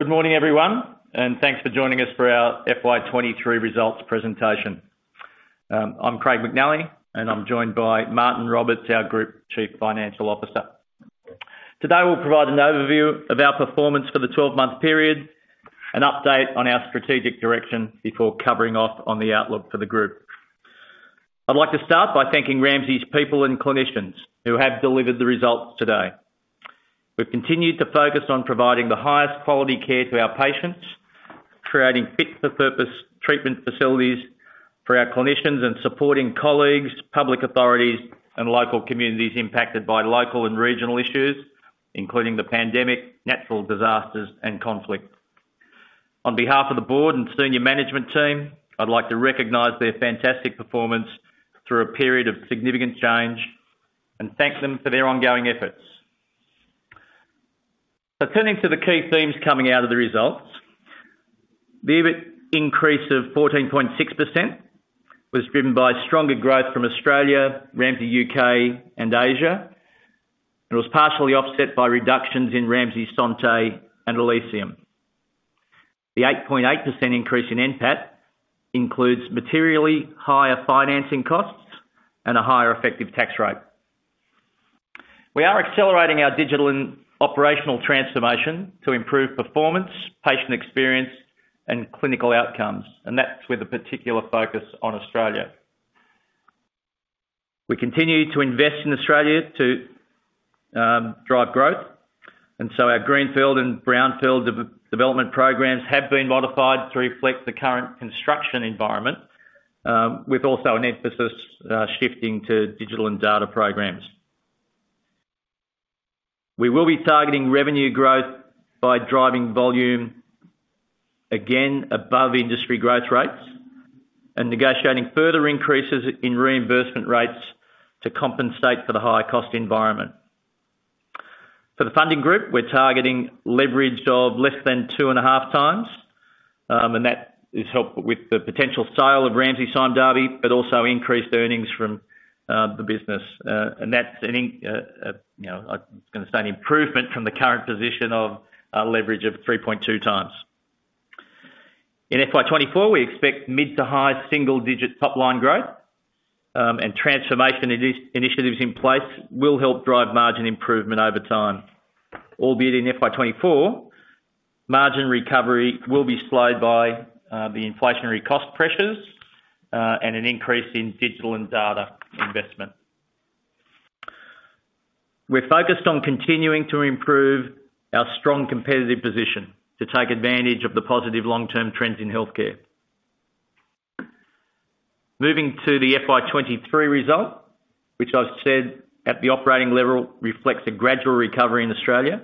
Good morning, everyone, and thanks for joining us for our FY 2023 results presentation. I'm Craig McNally, and I'm joined by Martyn Roberts, our Group Chief Financial Officer. Today, we'll provide an overview of our performance for the 12-month period, an update on our strategic direction before covering off on the outlook for the group. I'd like to start by thanking Ramsay's people and clinicians, who have delivered the results today. We've continued to focus on providing the highest quality care to our patients, creating fit-for-purpose treatment facilities for our clinicians, and supporting colleagues, public authorities, and local communities impacted by local and regional issues, including the pandemic, natural disasters, and conflict. On behalf of the board and senior management team, I'd like to recognize their fantastic performance through a period of significant change and thank them for their ongoing efforts. Attending to the key themes coming out of the results, the EBIT increase of 14.6% was driven by stronger growth from Australia, Ramsay U.K., and Asia. It was partially offset by reductions in Ramsay Santé and Elysium. The 8.8% increase in NPAT includes materially higher financing costs and a higher effective tax rate. We are accelerating our digital and operational transformation to improve performance, patient experience, and clinical outcomes, and that's with a particular focus on Australia. We continue to invest in Australia to drive growth, and so our greenfield and brownfield development programs have been modified to reflect the current construction environment, with also an emphasis shifting to digital and data programs. We will be targeting revenue growth by driving volume, again, above industry growth rates, and negotiating further increases in reimbursement rates to compensate for the higher cost environment. For the funding group, we're targeting leverage of less than 2.5x, and that is helped with the potential sale of Ramsay Sime Darby, but also increased earnings from the business. That's an in- you know, I'm gonna say an improvement from the current position of leverage of 3.2x. In FY 2024, we expect mid to high single digit top line growth, and transformation initiatives in place will help drive margin improvement over time. Albeit in FY 2024, margin recovery will be slowed by the inflationary cost pressures, and an increase in digital and data investment. We're focused on continuing to improve our strong competitive position to take advantage of the positive long-term trends in healthcare. Moving to the FY 2023 result, which I've said at the operating level, reflects a gradual recovery in Australia,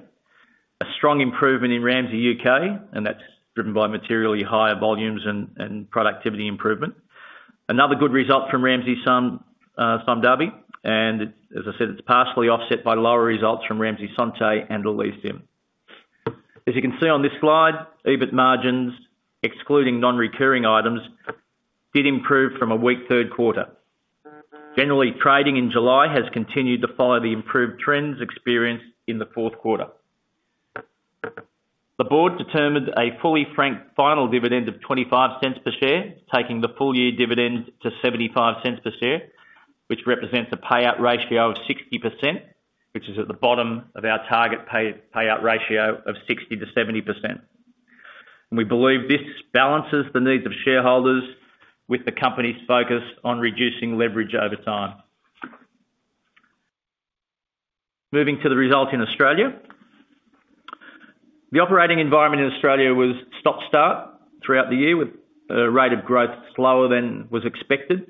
a strong improvement in Ramsay U.K., and that's driven by materially higher volumes and productivity improvement. Another good result from Ramsay Sime Darby, and as I said, it's partially offset by lower results from Ramsay Santé and Elysium. As you can see on this slide, EBIT margins, excluding non-recurring items, did improve from a weak third quarter. Generally, trading in July has continued to follow the improved trends experienced in the fourth quarter. The board determined a fully frank final dividend of 0.25 per share, taking the full year dividend to 0.75 per share, which represents a payout ratio of 60%, which is at the bottom of our target payout ratio of 60%-70%. We believe this balances the needs of shareholders with the company's focus on reducing leverage over time. Moving to the result in Australia. The operating environment in Australia was stop-start throughout the year, with a rate of growth slower than was expected.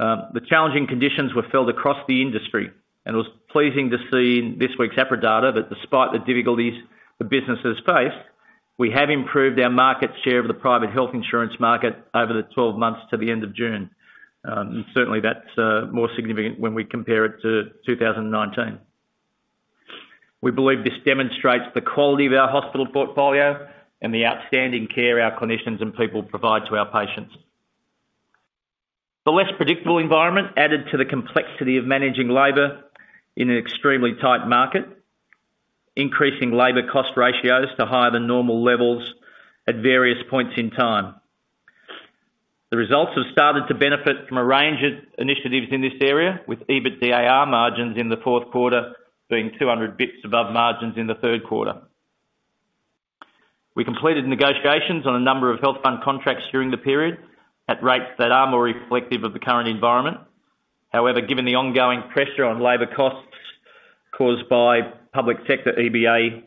The challenging conditions were felt across the industry, and it was pleasing to see in this week's APRA data that despite the difficulties the businesses faced, we have improved our market share of the private health insurance market over the 12 months to the end of June. Certainly, that's more significant when we compare it to 2019. We believe this demonstrates the quality of our hospital portfolio and the outstanding care our clinicians and people provide to our patients. The less predictable environment added to the complexity of managing labor in an extremely tight market, increasing labor cost ratios to higher than normal levels at various points in time. The results have started to benefit from a range of initiatives in this area, with EBITDAR margins in the fourth quarter being 200 bits above margins in the third quarter. We completed negotiations on a number of health fund contracts during the period at rates that are more reflective of the current environment. However, given the ongoing pressure on labor costs caused by public sector EBA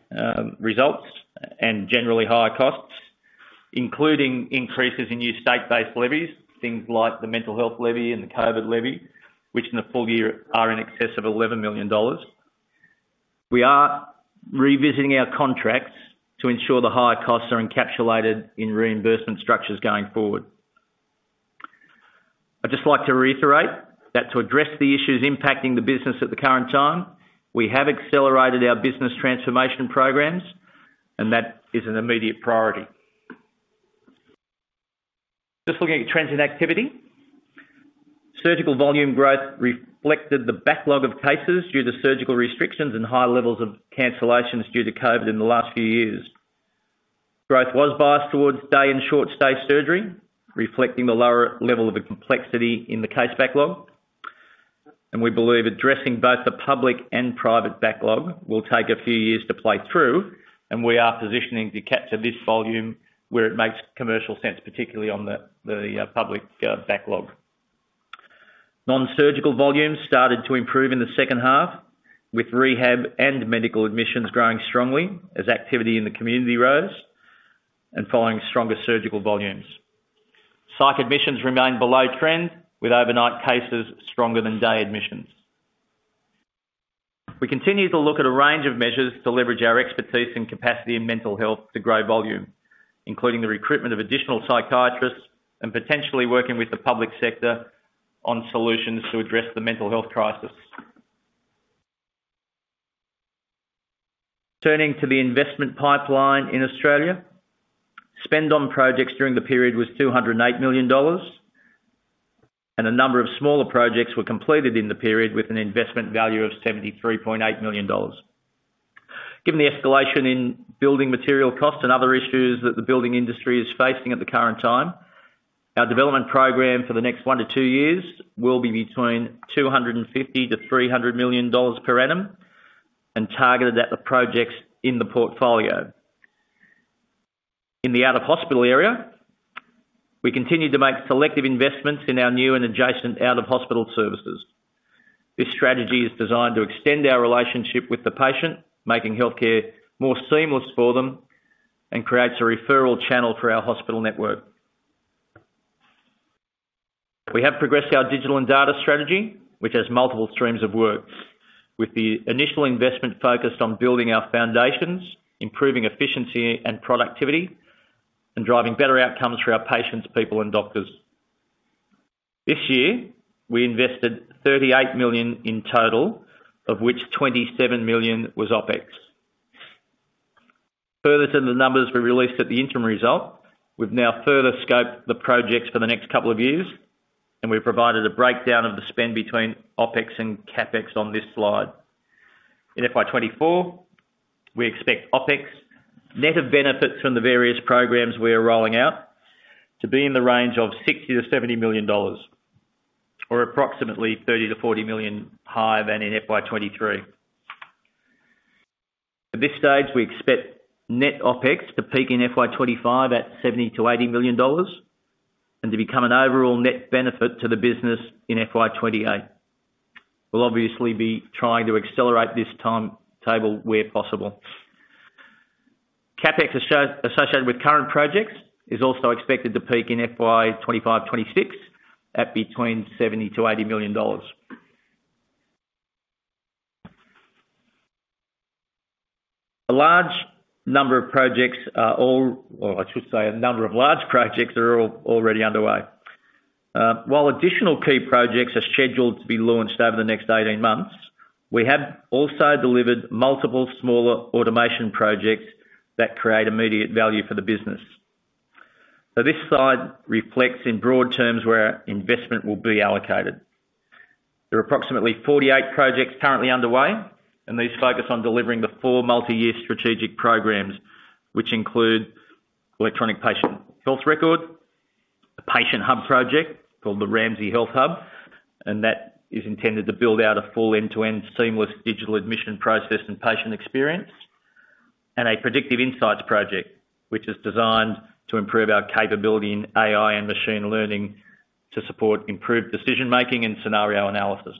results and generally higher costs, including increases in new state-based levies, things like the Mental Health levy and the COVID levy, which in the full year are in excess of 11 million dollars, we are revisiting our contracts to ensure the higher costs are encapsulated in reimbursement structures going forward. I'd just like to reiterate that to address the issues impacting the business at the current time, we have accelerated our business transformation programs, and that is an immediate priority. Just looking at trends in activity. Surgical volume growth reflected the backlog of cases due to surgical restrictions and high levels of cancellations due to COVID in the last few years. Growth was biased towards day and short-stay surgery, reflecting the lower level of complexity in the case backlog. We believe addressing both the public and private backlog will take a few years to play through, and we are positioning to capture this volume where it makes commercial sense, particularly on the public backlog. Non-surgical volumes started to improve in the second half, with rehab and medical admissions growing strongly as activity in the community rose and following stronger surgical volumes. Psych admissions remained below trend, with overnight cases stronger than day admissions. We continue to look at a range of measures to leverage our expertise and capacity in mental health to grow volume, including the recruitment of additional psychiatrists and potentially working with the public sector on solutions to address the mental health crisis. Turning to the investment pipeline in Australia. Spend on projects during the period was 208 million dollars. A number of smaller projects were completed in the period with an investment value of 73.8 million dollars. Given the escalation in building material costs and other issues that the building industry is facing at the current time, our development program for the next one to two years will be between 250 million-300 million dollars per annum, and targeted at the projects in the portfolio. In the out-of-hospital area, we continue to make selective investments in our new and adjacent out-of-hospital services. This strategy is designed to extend our relationship with the patient, making healthcare more seamless for them, and creates a referral channel for our hospital network. We have progressed our digital and data strategy, which has multiple streams of work, with the initial investment focused on building our foundations, improving efficiency and productivity, and driving better outcomes for our patients, people, and doctors. This year, we invested 38 million in total, of which 27 million was OpEx. Further to the numbers we released at the interim result, we've now further scoped the projects for the next couple of years, and we've provided a breakdown of the spend between OpEx and CapEx on this slide. In FY 2024, we expect OpEx, net of benefits from the various programs we are rolling out, to be in the range of 60 million-70 million dollars, or approximately 30 million-40 million higher than in FY 2023. At this stage, we expect net OpEx to peak in FY 2025 at 70 million-80 million dollars, and to become an overall net benefit to the business in FY 2028. We'll obviously be trying to accelerate this timetable where possible. CapEx associated with current projects is also expected to peak in FY 2025-2026, at between AUD 70 million-AUD 80 million. A large number of projects are or I should say, a number of large projects are already underway. While additional key projects are scheduled to be launched over the next 18 months, we have also delivered multiple smaller automation projects that create immediate value for the business. This slide reflects, in broad terms, where our investment will be allocated. There are approximately 48 projects currently underway. These focus on delivering the four multi-year strategic programs, which include Electronic Health Record, a patient hub project called the Ramsay Health Hub. That is intended to build out a full end-to-end seamless digital admission process and patient experience. A predictive insights project, which is designed to improve our capability in AI and machine learning to support improved decision making and scenario analysis.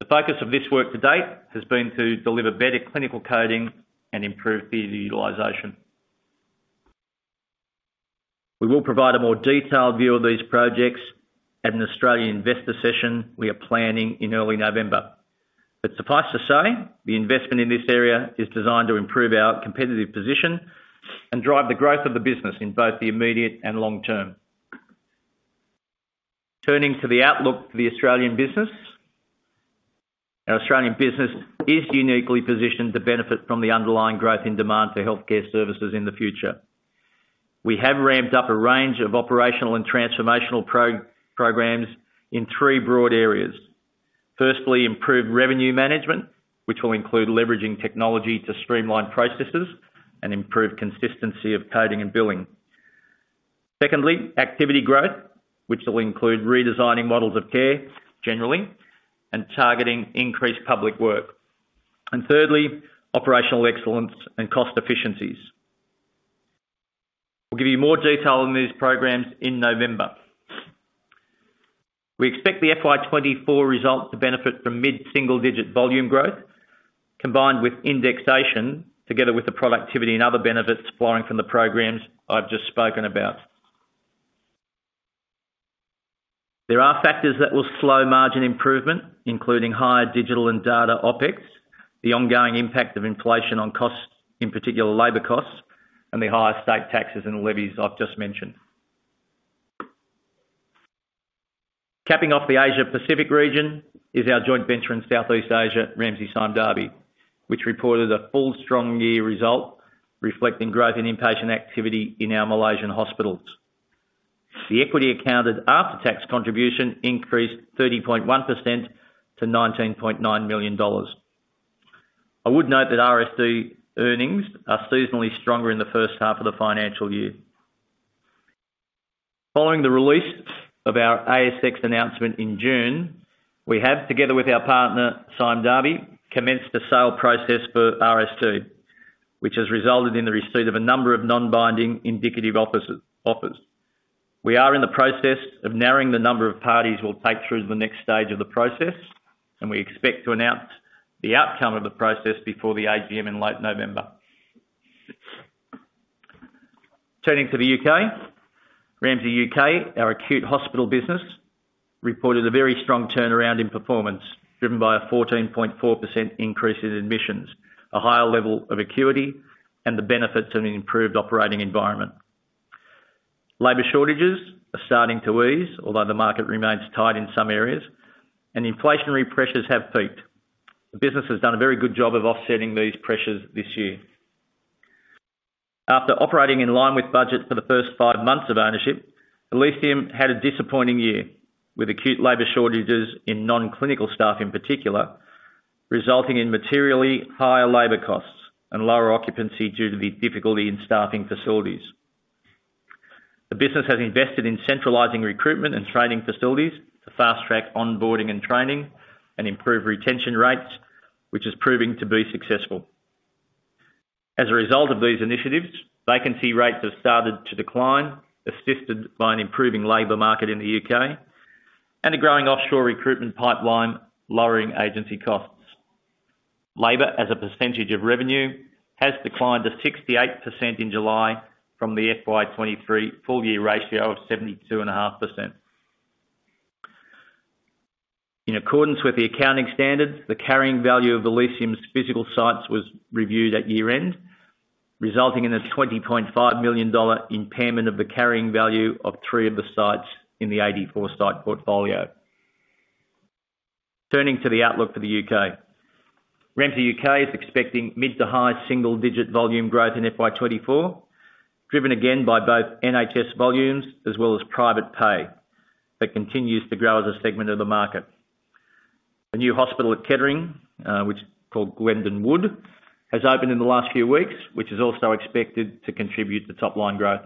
The focus of this work to date has been to deliver better clinical coding and improve theater utilization. We will provide a more detailed view of these projects at an Australian investor session we are planning in early November. Suffice to say, the investment in this area is designed to improve our competitive position and drive the growth of the business in both the immediate and long term. Turning to the outlook for the Australian business. Our Australian business is uniquely positioned to benefit from the underlying growth in demand for healthcare services in the future. We have ramped up a range of operational and transformational programs in three broad areas. Firstly, improved revenue management, which will include leveraging technology to streamline processes and improve consistency of coding and billing. Secondly, activity growth, which will include redesigning models of care generally, and targeting increased public work. Thirdly, operational excellence and cost efficiencies. We'll give you more detail on these programs in November. We expect the FY 2024 results to benefit from mid-single digit volume growth, combined with indexation, together with the productivity and other benefits flowing from the programs I've just spoken about. There are factors that will slow margin improvement, including higher digital and data OpEx, the ongoing impact of inflation on costs, in particular labor costs, and the higher state taxes and levies I've just mentioned. Capping off the Asia Pacific region is our joint venture in Southeast Asia, Ramsay Sime Darby, which reported a full strong year result, reflecting growth in inpatient activity in our Malaysian hospitals. The equity accounted after-tax contribution increased 30.1% to 19.9 million dollars. I would note that RSD earnings are seasonally stronger in the first half of the financial year. Following the release of our ASX announcement in June, we have, together with our partner, Sime Darby, commenced the sale process for RSD, which has resulted in the receipt of a number of non-binding indicative offers. We are in the process of narrowing the number of parties we'll take through to the next stage of the process. We expect to announce the outcome of the process before the AGM in late November. Turning to the U.K., Ramsay U.K., our acute hospital business, reported a very strong turnaround in performance, driven by a 14.4% increase in admissions, a higher level of acuity, and the benefits of an improved operating environment. Labor shortages are starting to ease, although the market remains tight in some areas. Inflationary pressures have peaked. The business has done a very good job of offsetting these pressures this year. After operating in line with budget for the first 5 months of ownership, Elysium had a disappointing year, with acute labor shortages in non-clinical staff, in particular, resulting in materially higher labor costs and lower occupancy due to the difficulty in staffing facilities. The business has invested in centralizing recruitment and training facilities to fast-track onboarding and training and improve retention rates, which is proving to be successful. As a result of these initiatives, vacancy rates have started to decline, assisted by an improving labor market in the UK and a growing offshore recruitment pipeline, lowering agency costs. Labor, as a percentage of revenue, has declined to 68% in July from the FY 2023 full year ratio of 72.5%. In accordance with the accounting standards, the carrying value of Elysium's physical sites was reviewed at year-end, resulting in a $20.5 million impairment of the carrying value of three of the sites in the 84 site portfolio. Turning to the outlook for the U.K. Ramsay U.K. is expecting mid to high single digit volume growth in FY 2024, driven again by both NHS volumes as well as private pay, that continues to grow as a segment of the market. The new hospital at Kettering, which is called Glendon Wood, has opened in the last few weeks, which is also expected to contribute to top-line growth.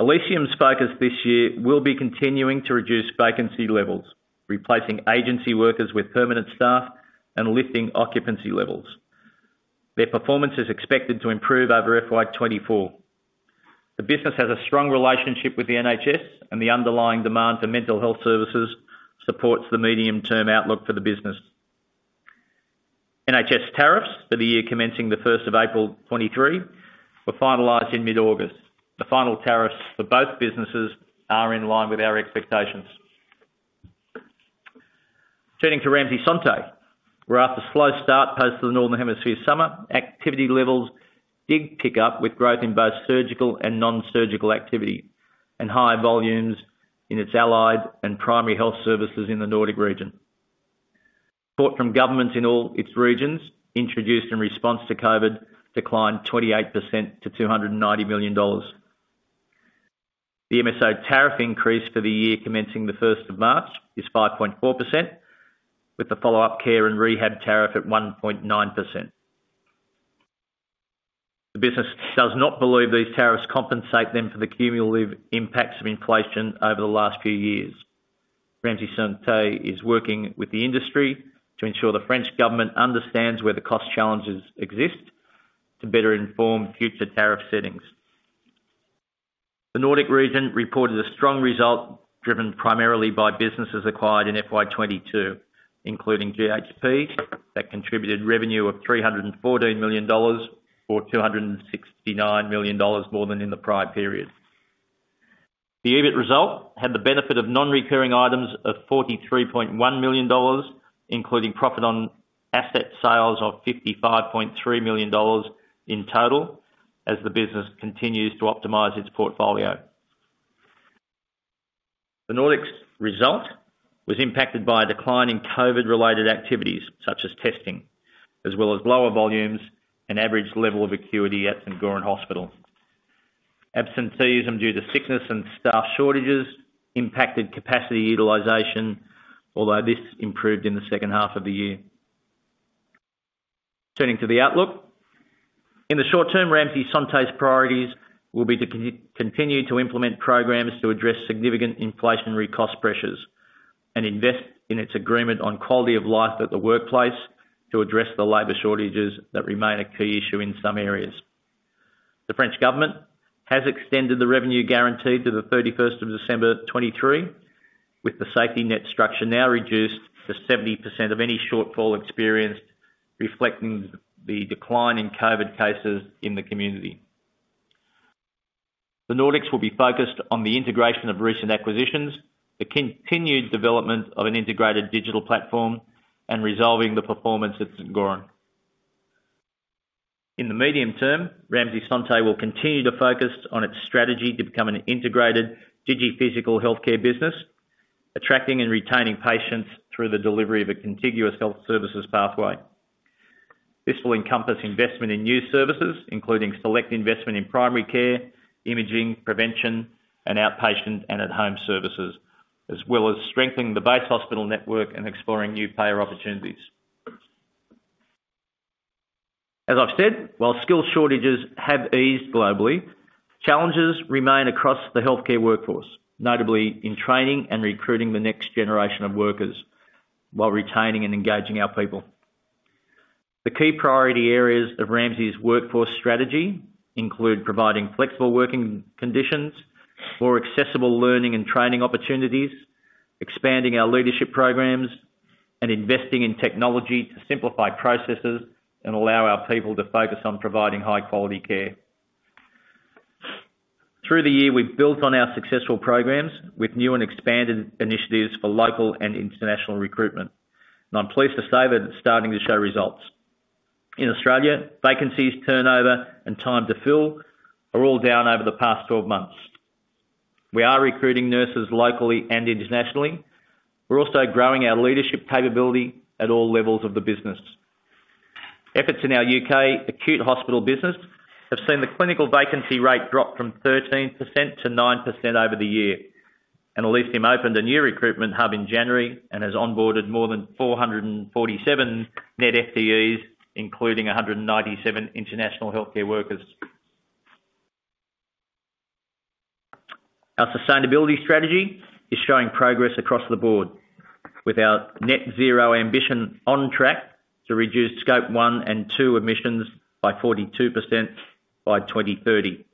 Elysium's focus this year will be continuing to reduce vacancy levels, replacing agency workers with permanent staff and lifting occupancy levels. Their performance is expected to improve over FY 2024. The business has a strong relationship with the NHS, and the underlying demand for mental health services supports the medium-term outlook for the business. NHS tariffs for the year commencing the first of April 2023 were finalized in mid-August. The final tariffs for both businesses are in line with our expectations. Turning to Ramsay Santé, where after a slow start post to the Northern Hemisphere summer, activity levels did pick up with growth in both surgical and non-surgical activity, and high volumes in its allied and primary health services in the Nordic region. Support from governments in all its regions, introduced in response to COVID, declined 28% to $290 million. The MCO tariff increase for the year commencing the first of March is 5.4%, with the follow-up care and rehab tariff at 1.9%. The business does not believe these tariffs compensate them for the cumulative impacts of inflation over the last few years. Ramsay Santé is working with the industry to ensure the French government understands where the cost challenges exist to better inform future tariff settings. The Nordic region reported a strong result, driven primarily by businesses acquired in FY 2022, including GHP, that contributed revenue of $314 million or $269 million more than in the prior period. The EBIT result had the benefit of non-recurring items of $43.1 million, including profit on asset sales of $55.3 million in total, as the business continues to optimize its portfolio. The Nordics result was impacted by a decline in COVID-related activities, such as testing, as well as lower volumes and average level of acuity at St. Göran's Hospital. Absenteeism due to sickness and staff shortages impacted capacity utilization, although this improved in the second half of the year. Turning to the outlook. In the short term, Ramsay Santé's priorities will be to continue to implement programs to address significant inflationary cost pressures and invest in its agreement on quality of life at the workplace to address the labor shortages that remain a key issue in some areas. The French government has extended the revenue guarantee to the 31st of December 2023, with the safety net structure now reduced to 70% of any shortfall experienced, reflecting the decline in COVID cases in the community. The Nordics will be focused on the integration of recent acquisitions, the continued development of an integrated digital platform, and resolving the performance at St. Göran. In the medium term, Ramsay Santé will continue to focus on its strategy to become an integrated digi-physical healthcare business, attracting and retaining patients through the delivery of a contiguous health services pathway. This will encompass investment in new services, including select investment in primary care, imaging, prevention, and outpatient, and at-home services, as well as strengthening the base hospital network and exploring new payer opportunities. As I've said, while skill shortages have eased globally, challenges remain across the healthcare workforce, notably in training and recruiting the next generation of workers, while retaining and engaging our people. The key priority areas of Ramsay's workforce strategy include providing flexible working conditions, more accessible learning and training opportunities, expanding our leadership programs, and investing in technology to simplify processes and allow our people to focus on providing high-quality care. Through the year, we've built on our successful programs with new and expanded initiatives for local and international recruitment. I'm pleased to say that it's starting to show results. In Australia, vacancies, turnover, and time to fill are all down over the past 12 months. We are recruiting nurses locally and internationally. We're also growing our leadership capability at all levels of the business. Efforts in our U.K. acute hospital business have seen the clinical vacancy rate drop from 13% to 9% over the year, and Elysium opened a new recruitment hub in January and has onboarded more than 447 net FTEs, including 197 international healthcare workers. Our sustainability strategy is showing progress across the board, with our net-zero ambition on track to reduce Scope 1 and 2 emissions by 42% by 2030.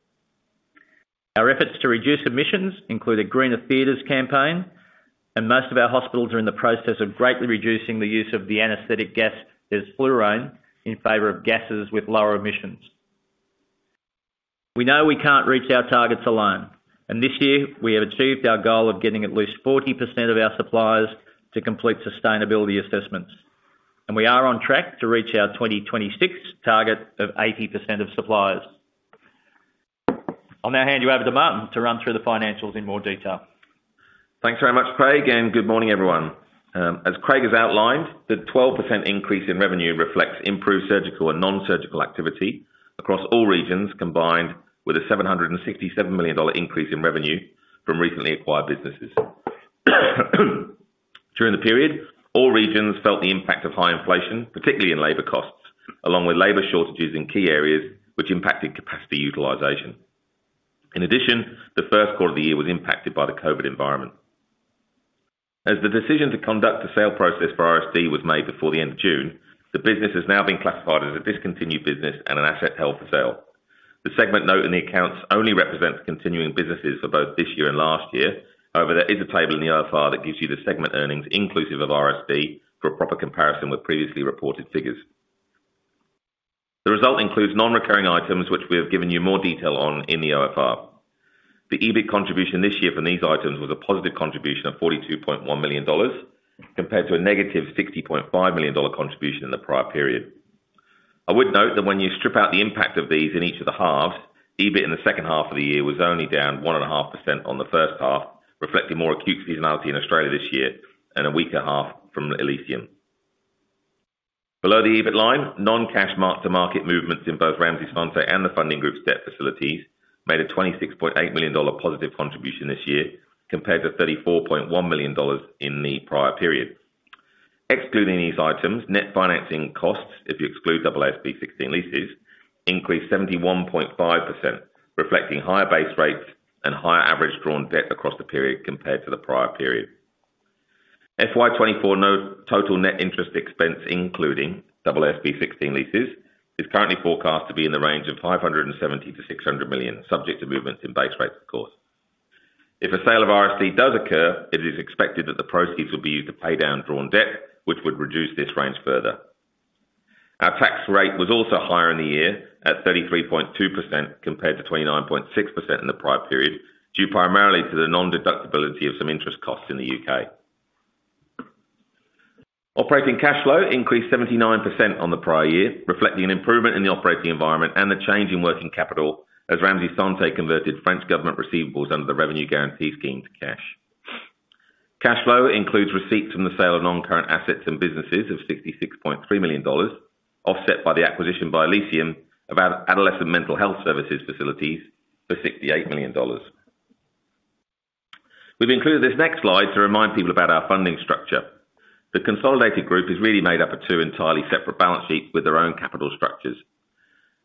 Our efforts to reduce emissions include a Greener Theatres campaign, and most of our hospitals are in the process of greatly reducing the use of the anesthetic gas, desflurane, in favor of gases with lower emissions. We know we can't reach our targets alone, and this year we have achieved our goal of getting at least 40% of our suppliers to complete sustainability assessments, and we are on track to reach our 2026 target of 80% of suppliers. I'll now hand you over to Martyn to run through the financials in more detail. Thanks very much, Craig. Good morning, everyone. As Craig has outlined, the 12% increase in revenue reflects improved surgical and non-surgical activity across all regions, combined with an 767 million dollar increase in revenue from recently acquired businesses. During the period, all regions felt the impact of high inflation, particularly in labor costs, along with labor shortages in key areas which impacted capacity utilization. In addition, the first quarter of the year was impacted by the COVID. As the decision to conduct the sale process for RSD was made before the end of June, the business is now being classified as a discontinued business and an asset held for sale. The segment note in the accounts only represents continuing businesses for both this year and last year. There is a table in the OFR that gives you the segment earnings inclusive of RSD for a proper comparison with previously reported figures. The result includes non-recurring items, which we have given you more detail on in the OFR. The EBIT contribution this year from these items was a positive contribution of 42.1 million dollars, compared to a negative 60.5 million dollar contribution in the prior period. I would note that when you strip out the impact of these in each of the halves, EBIT in the second half of the year was only down 1.5% on the first half, reflecting more acute seasonality in Australia this year and a weaker half from Elysium. Below the EBIT line, non-cash mark-to-market movements in both Ramsay Santé and the funding group's debt facilities made an 26.8 million dollar positive contribution this year, compared to 34.1 million dollars in the prior period. Excluding these items, net financing costs, if you exclude AASB 16 leases, increased 71.5%, reflecting higher base rates and higher average drawn debt across the period compared to the prior period. FY 2024 note, total net interest expense, including AASB 16 leases, is currently forecast to be in the range of 570 million-600 million, subject to movements in base rates, of course. If a sale of RSD does occur, it is expected that the proceeds will be used to pay down drawn debt, which would reduce this range further. Our tax rate was also higher in the year at 33.2%, compared to 29.6% in the prior period, due primarily to the non-deductibility of some interest costs in the U.K. Operating cash flow increased 79% on the prior year, reflecting an improvement in the operating environment and the change in working capital as Ramsay Santé converted French government receivables under the Revenue Guarantee Scheme to cash. Cash flow includes receipts from the sale of non-current assets and businesses of 66.3 million dollars, offset by the acquisition by Elysium of our adolescent mental health services facilities for 68 million dollars. We've included this next slide to remind people about our funding structure. The consolidated group is really made up of two entirely separate balance sheets with their own capital structures.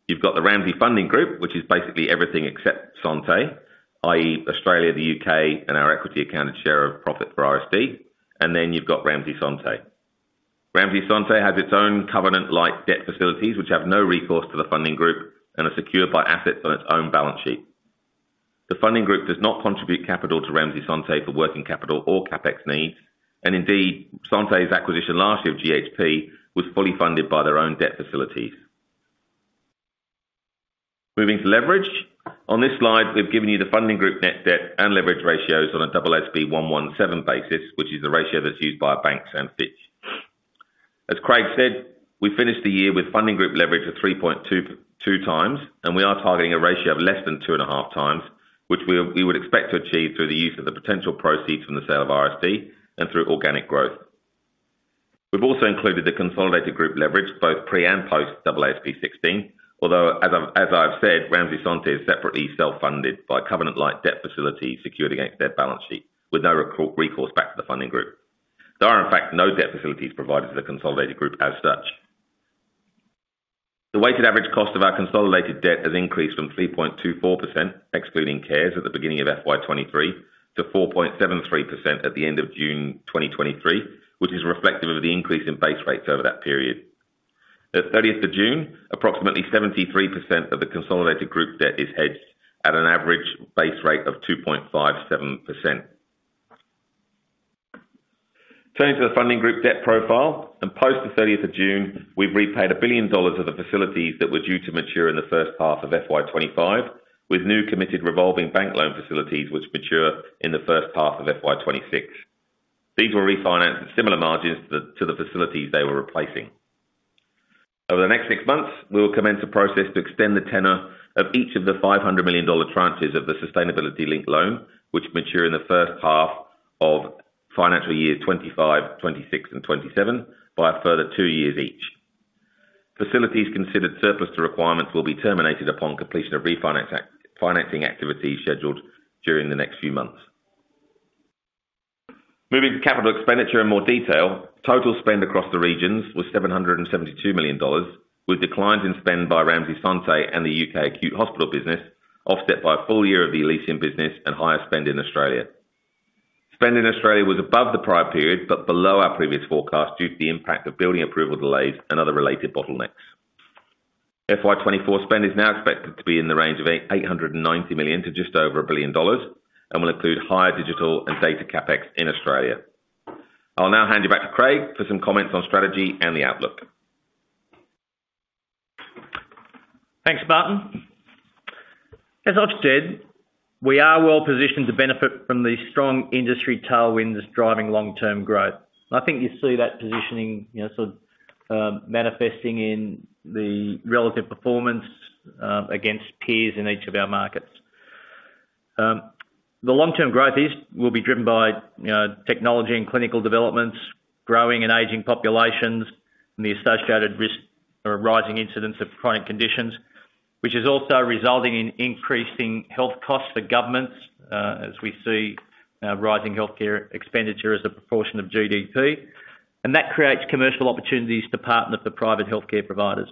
You've got the Ramsay Funding Group, which is basically everything except Santé, i.e., Australia, the U.K., and our equity accounted share of profit for RSD. You've got Ramsay Santé. Ramsay Santé has its own covenant-like debt facilities, which have no recourse to the funding group and are secured by assets on its own balance sheet. The funding group does not contribute capital to Ramsay Santé for working capital or CapEx needs. Indeed, Santé's acquisition last year of GHP was fully funded by their own debt facilities. Moving to leverage. On this slide, we've given you the funding group net debt and leverage ratios on an AASB 117 basis, which is the ratio that's used by banks and Fitch. As Craig said, we finished the year with funding group leverage of 3.22x. We are targeting a ratio of less than 2.5x, which we would expect to achieve through the use of the potential proceeds from the sale of RSD and through organic growth. We've also included the consolidated group leverage, both pre and post AASB 16. As I've said, Ramsay Santé is separately self-funded by covenant light debt facility secured against their balance sheet, with no recourse back to the funding group. There are, in fact, no debt facilities provided to the consolidated group as such. The weighted average cost of our consolidated debt has increased from 3.24%, excluding CARES at the beginning of FY 2023, to 4.73% at the end of June 2023, which is reflective of the increase in base rates over that period. At 30th of June, approximately 73% of the consolidated group debt is hedged at an average base rate of 2.57%. Turning to the funding group debt profile, post the 30th of June, we've repaid 1 billion dollars of the facilities that were due to mature in the first half of FY 2025, with new committed revolving bank loan facilities, which mature in the first half of FY 2026. These were refinanced at similar margins to the facilities they were replacing. Over the next six months, we will commence a process to extend the tenor of each of the 500 million dollar tranches of the sustainability-linked loan, which mature in the first half of FY 2025, FY 2026, and FY 2027 by a further two years each. Facilities considered surplus to requirements will be terminated upon completion of financing activities scheduled during the next few months. Moving to CapEx in more detail. Total spend across the regions was 772 million dollars, with declines in spend by Ramsay Santé and the U.K. acute hospital business, offset by a full year of the Elysium business and higher spend in Australia. Spend in Australia was above the prior period, but below our previous forecast, due to the impact of building approval delays and other related bottlenecks. FY 2024 spend is now expected to be in the range of 890 million to just over 1 billion dollars and will include higher digital and data CapEx in Australia. I'll now hand you back to Craig for some comments on strategy and the outlook. Thanks, Martyn. As I've said, we are well positioned to benefit from the strong industry tailwind that's driving long-term growth. I think you see that positioning, you know, sort of, manifesting in the relative performance, against peers in each of our markets. The long-term growth is, will be driven by, you know, technology and clinical developments, growing and aging populations, and the associated risk or rising incidents of chronic conditions, which is also resulting in increasing health costs for governments, as we see, rising healthcare expenditure as a proportion of GDP. That creates commercial opportunities to partner for private healthcare providers.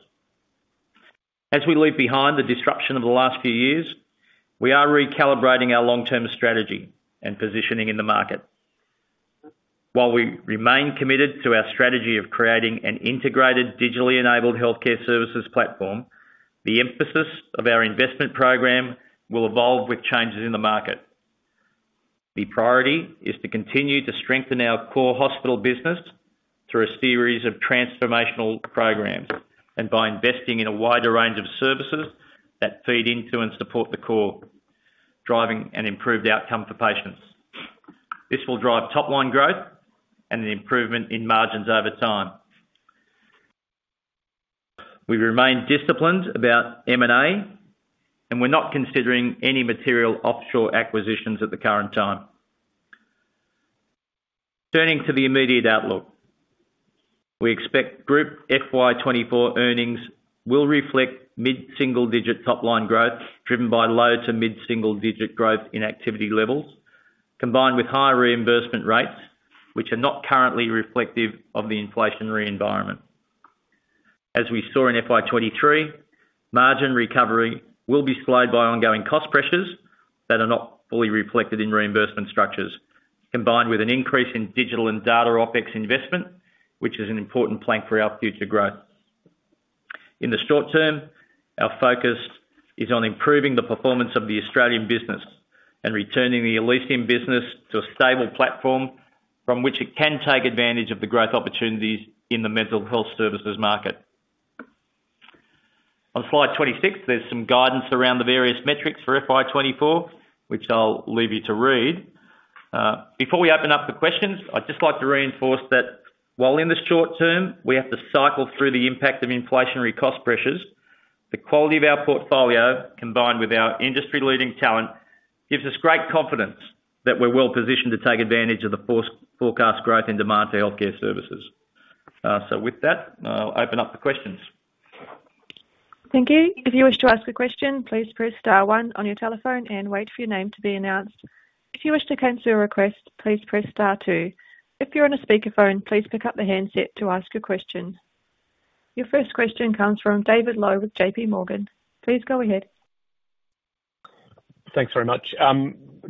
As we leave behind the disruption of the last few years, we are recalibrating our long-term strategy and positioning in the market. While we remain committed to our strategy of creating an integrated, digitally enabled healthcare services platform, the emphasis of our investment program will evolve with changes in the market. The priority is to continue to strengthen our core hospital business through a series of transformational programs, and by investing in a wider range of services that feed into and support the core, driving an improved outcome for patients. This will drive top line growth and an improvement in margins over time. We remain disciplined about M&A. We're not considering any material offshore acquisitions at the current time. Turning to the immediate outlook. We expect group FY 2024 earnings will reflect mid-single digit top line growth, driven by low to mid-single digit growth in activity levels, combined with high reimbursement rates, which are not currently reflective of the inflationary environment. As we saw in FY 2023, margin recovery will be slowed by ongoing cost pressures that are not fully reflected in reimbursement structures, combined with an increase in digital and data OpEx investment, which is an important plank for our future growth. In the short term, our focus is on improving the performance of the Australian business and returning the Elysium business to a stable platform from which it can take advantage of the growth opportunities in the mental health services market. On slide 26, there's some guidance around the various metrics for FY 2024, which I'll leave you to read. Before we open up the questions, I'd just like to reinforce that while in the short term we have to cycle through the impact of inflationary cost pressures, the quality of our portfolio, combined with our industry-leading talent, gives us great confidence that we're well positioned to take advantage of the forecast growth in demand for healthcare services. With that, I'll open up the questions. Thank you. If you wish to ask a question, please press star one on your telephone and wait for your name to be announced. If you wish to cancel a request, please press star two. If you're on a speakerphone, please pick up the handset to ask a question. Your first question comes from David Low with JPMorgan. Please go ahead. Thanks very much.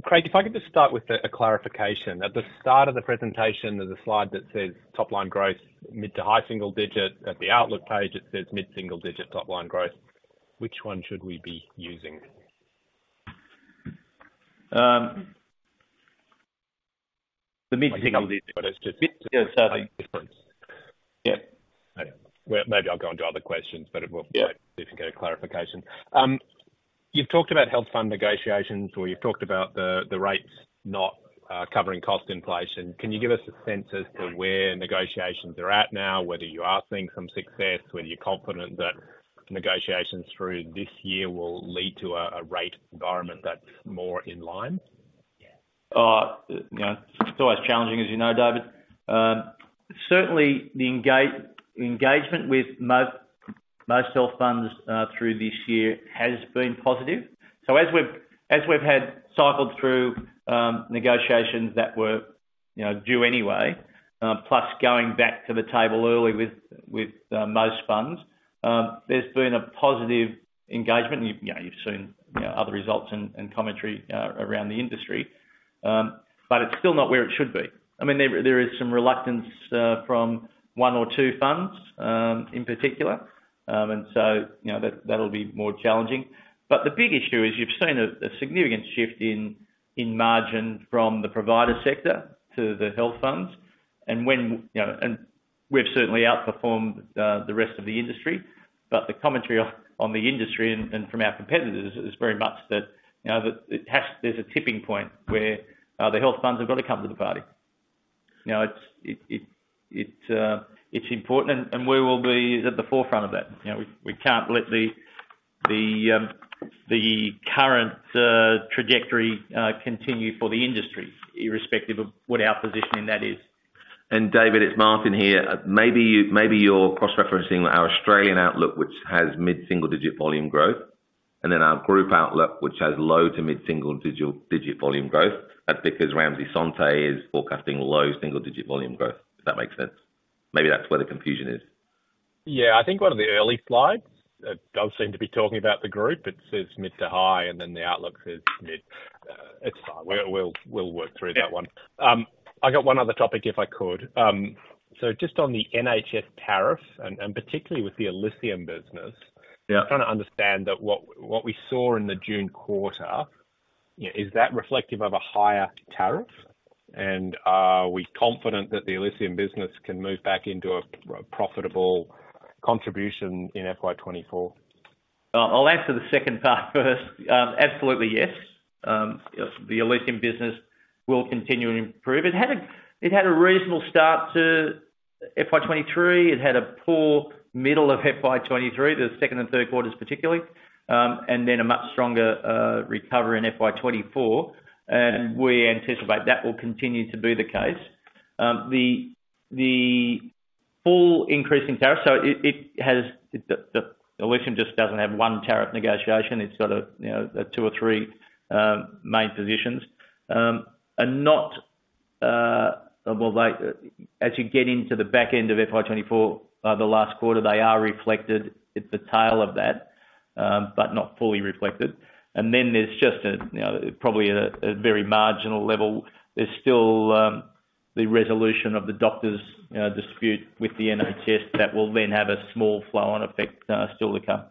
Craig, if I could just start with a clarification. At the start of the presentation, there's a slide that says, "Top line growth, mid to high single-digit." At the outlook page, it says, "Mid-single-digit top line growth." Which one should we be using? The mid-single digit, it's just different. Yeah. Well, maybe I'll go on to other questions, but it will- Yeah. if we can get a clarification. You've talked about health fund negotiations, or you've talked about the, the rates not covering cost inflation. Can you give us a sense as to where negotiations are at now, whether you are seeing some success, whether you're confident that negotiations through this year will lead to a, a rate environment that's more in line? You know, it's always challenging, as you know, David. Certainly the engagement with most health funds, through this year has been positive. So as we've had cycled through, negotiations that were, you know, due anyway, plus going back to the table early with most funds, there's been a positive engagement. You've, you know, you've seen, you know, other results and commentary, around the industry, but it's still not where it should be. I mean, there is some reluctance, from one or two funds, in particular, and so, you know, that'll be more challenging. But the big issue is you've seen a significant shift in margin from the provider sector to the health funds. When, you know, and we've certainly outperformed the rest of the industry, the commentary on, on the industry and from our competitors is very much that, you know, that there's a tipping point where the health funds have got to come to the party. You know, it's important, and we will be at the forefront of that. You know, we, we can't let the current trajectory continue for the industry, irrespective of what our position in that is. David, it's Martyn here. Maybe you, maybe you're cross-referencing our Australian outlook, which has mid-single-digit volume growth, and then our group outlook, which has low to mid-single-digit volume growth. That's because Ramsay Santé is forecasting low-single-digit volume growth, if that makes sense. Maybe that's where the confusion is. Yeah, I think one of the early slides does seem to be talking about the group. It says mid to high, and then the outlook says mid. It's fine. We'll, we'll, we'll work through that one. Yeah. I got one other topic, if I could. Just on the NHS tariff and, particularly with the Elysium business. Yeah. I'm trying to understand that what, what we saw in the June quarter, you know, is that reflective of a higher tariff? Are we confident that the Elysium business can move back into a, a profitable contribution in FY 2024? I'll answer the second part first. Absolutely, yes. Yes, the Elysium business will continue to improve. It had a reasonable start to FY 2023. It had a poor middle of FY 2023, the second and third quarters particularly, and then a much stronger recovery in FY 2024, and we anticipate that will continue to be the case. The full increase in tariff, so it has, the Elysium just doesn't have one tariff negotiation. It's got a, you know, two or three main positions. Not, well, like, as you get into the back end of FY 2024, the last quarter, they are reflected at the tail of that, but not fully reflected. Then there's just a, you know, probably a very marginal level. There's still the resolution of the doctors' dispute with the NHS that will then have a small flow-on effect still to come.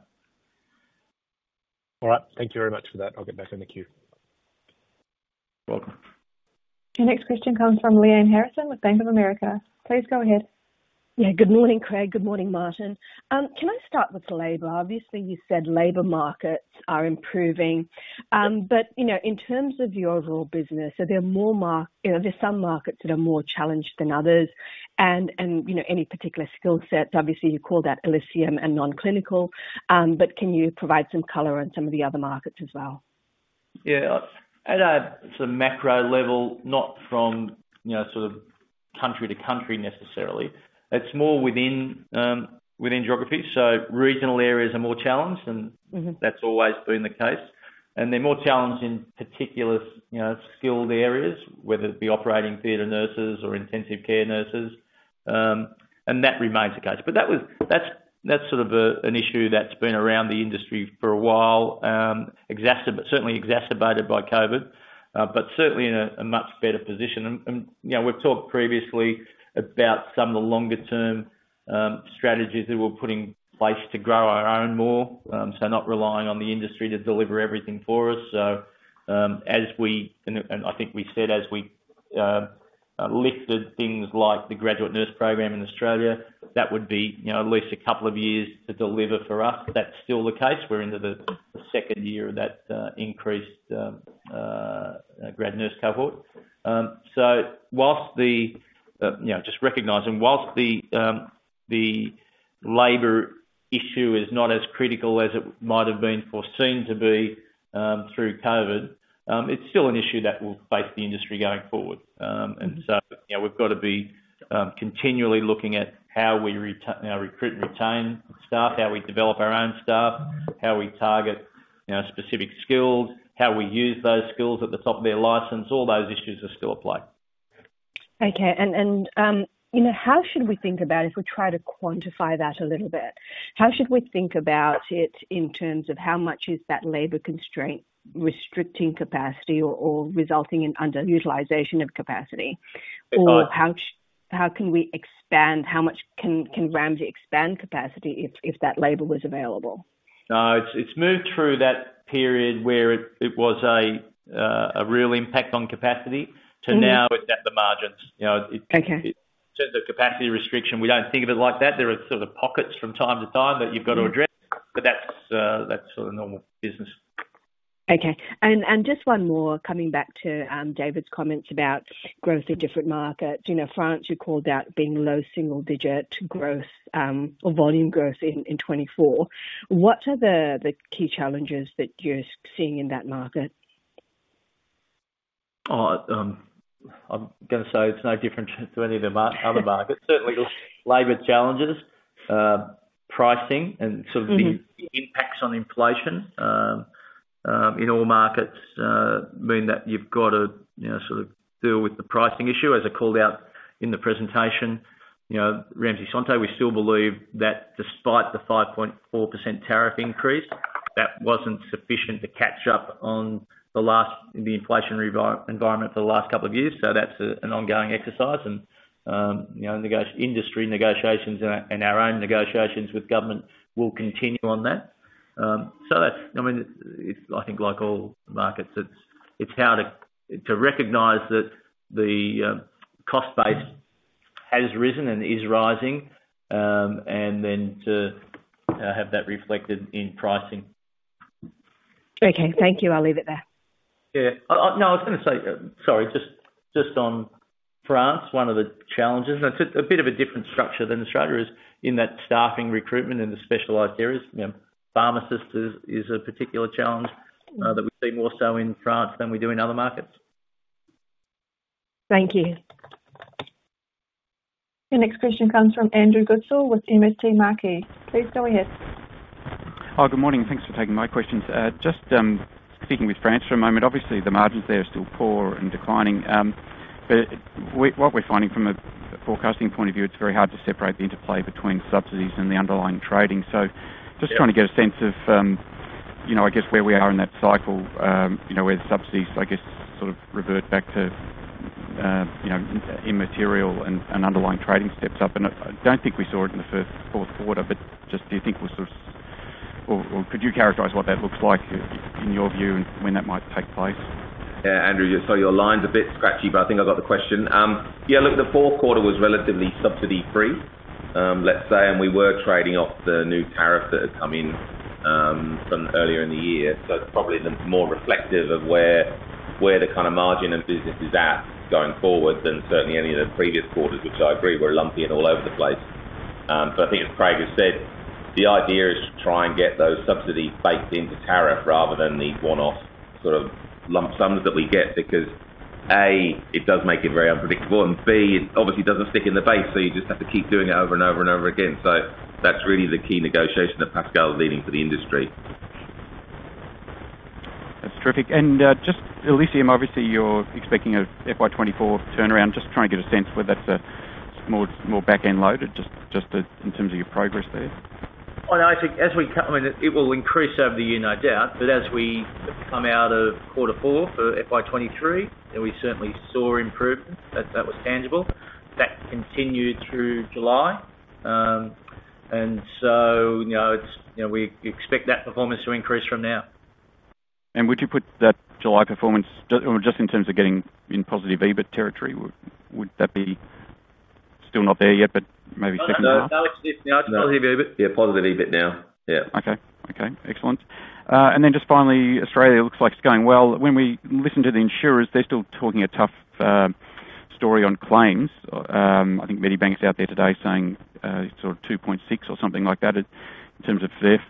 All right. Thank you very much for that. I'll get back in the queue. Welcome. Your next question comes from Lyanne Harrison with Bank of America. Please go ahead. Yeah. Good morning, Craig. Good morning, Martyn. Can I start with labor? Obviously, you said labor markets are improving, you know, in terms of your overall business, are there more mark-- you know, there's some markets that are more challenged than others and, and, you know, any particular skill sets, obviously, you call that Elysium and non-clinical, can you provide some color on some of the other markets as well? Yeah. At a sort of macro level, not from, you know, sort of country to country necessarily, it's more within, within geography. Regional areas are more challenged. Mm-hmm. That's always been the case. They're more challenged in particular, you know, skilled areas, whether it be operating theater nurses or intensive care nurses, and that remains the case. That was, that's, that's sort of a, an issue that's been around the industry for a while, certainly exacerbated by COVID, but certainly in a, a much better position. You know, we've talked previously about some of the longer term strategies that we're putting in place to grow our own more, so not relying on the industry to deliver everything for us. As we, and, and I think we said as we, lifted things like the graduate nurse program in Australia, that would be, you know, at least two years to deliver for us. That's still the case. We're into the second year of that increased grad nurse cohort. Whilst the, you know, just recognizing, whilst the labor issue is not as critical as it might have been foreseen to be through COVID, it's still an issue that will face the industry going forward. So. Mm-hmm. you know, we've got to be, continually looking at how we recruit and retain staff, how we develop our own staff, how we target, you know, specific skills, how we use those skills at the top of their license. All those issues are still at play. Okay. And, you know, how should we think about if we try to quantify that a little bit? How should we think about it in terms of how much is that labor constraint restricting capacity or, or resulting in underutilization of capacity? How can we expand? How much can Ramsay expand capacity if, if that labor was available? It's, it's moved through that period where it, it was a real impact on capacity. Mm-hmm. to now it's at the margins. You know, it's- Okay. In terms of capacity restriction, we don't think of it like that. There are sort of pockets from time to time that you've got to address, but that's, that's sort of normal business. Okay. Just one more, coming back to David's comments about growth in different markets. You know, France, you called out being low single digit growth or volume growth in 2024. What are the key challenges that you're seeing in that market? Oh, I'm gonna say it's no different to any of the other markets. Certainly, labor challenges, pricing, and sort of... Mm-hmm. the impacts on inflation in all markets mean that you've got to, you know, sort of deal with the pricing issue, as I called out in the presentation. You know, Ramsay Santé, we still believe that despite the 5.4% tariff increase, that wasn't sufficient to catch up on the last, the inflationary environment for the last couple of years. That's an ongoing exercise, and, you know, industry negotiations and our, and our own negotiations with government will continue on that. I mean, it's, I think, like all markets, it's how to recognize that the cost base has risen and is rising, and then to have that reflected in pricing. Okay, thank you. I'll leave it there. No, I was gonna say, sorry, just, just on France, one of the challenges, it's a bit of a different structure than Australia is in that staffing recruitment in the specialized areas. You know, pharmacists is, is a particular challenge that we see more so in France than we do in other markets. Thank you. The next question comes from Andrew Goodsall with MST Marquee. Please go ahead. Hi, good morning, and thanks for taking my questions. Just sticking with France for a moment. Obviously, the margins there are still poor and declining. We, what we're finding from a, a forecasting point of view, it's very hard to separate the interplay between subsidies and the underlying trading. Yeah just trying to get a sense of, you know, I guess, where we are in that cycle, you know, where the subsidies, I guess, sort of revert back to, you know, immaterial and underlying trading steps up. I don't think we saw it in the first fourth quarter. Do you think we're sort of, or could you characterize what that looks like in your view and when that might take place? Yeah, Andrew, sorry, your line's a bit scratchy, but I think I got the question. Yeah, look, the fourth quarter was relatively subsidy-free, let's say, and we were trading off the new tariff that had come in from earlier in the year. It's probably the more reflective of where, where the kind of margin and business is at going forward than certainly any of the previous quarters, which I agree, were lumpy and all over the place. I think as Craig has said, the idea is to try and get those subsidies baked into tariff rather than the one-off sort of lump sums that we get. Because, A, it does make it very unpredictable, and B, it obviously doesn't stick in the base, so you just have to keep doing it over and over and over again. That's really the key negotiation that Pascal is leading for the industry. That's terrific. just Elysium, obviously, you're expecting a FY 2024 turnaround. Just trying to get a sense whether that's a more, more back-end loaded in terms of your progress there. Well, I mean, it will increase over the year, no doubt, but as we come out of Q4 for FY 2023, we certainly saw improvement that was tangible. That continued through July. You know, we expect that performance to increase from now. Would you put that July performance, just in terms of getting in positive EBIT territory, would that be still not there yet, but maybe second half? No, it's positive EBIT. Yeah, positive EBIT now. Yeah. Okay. Okay, excellent. And then just finally, Australia looks like it's going well. When we listen to the insurers, they're still talking a tough story on claims. I think Medibank's out there today saying, sort of 2.6 or something like that in terms of their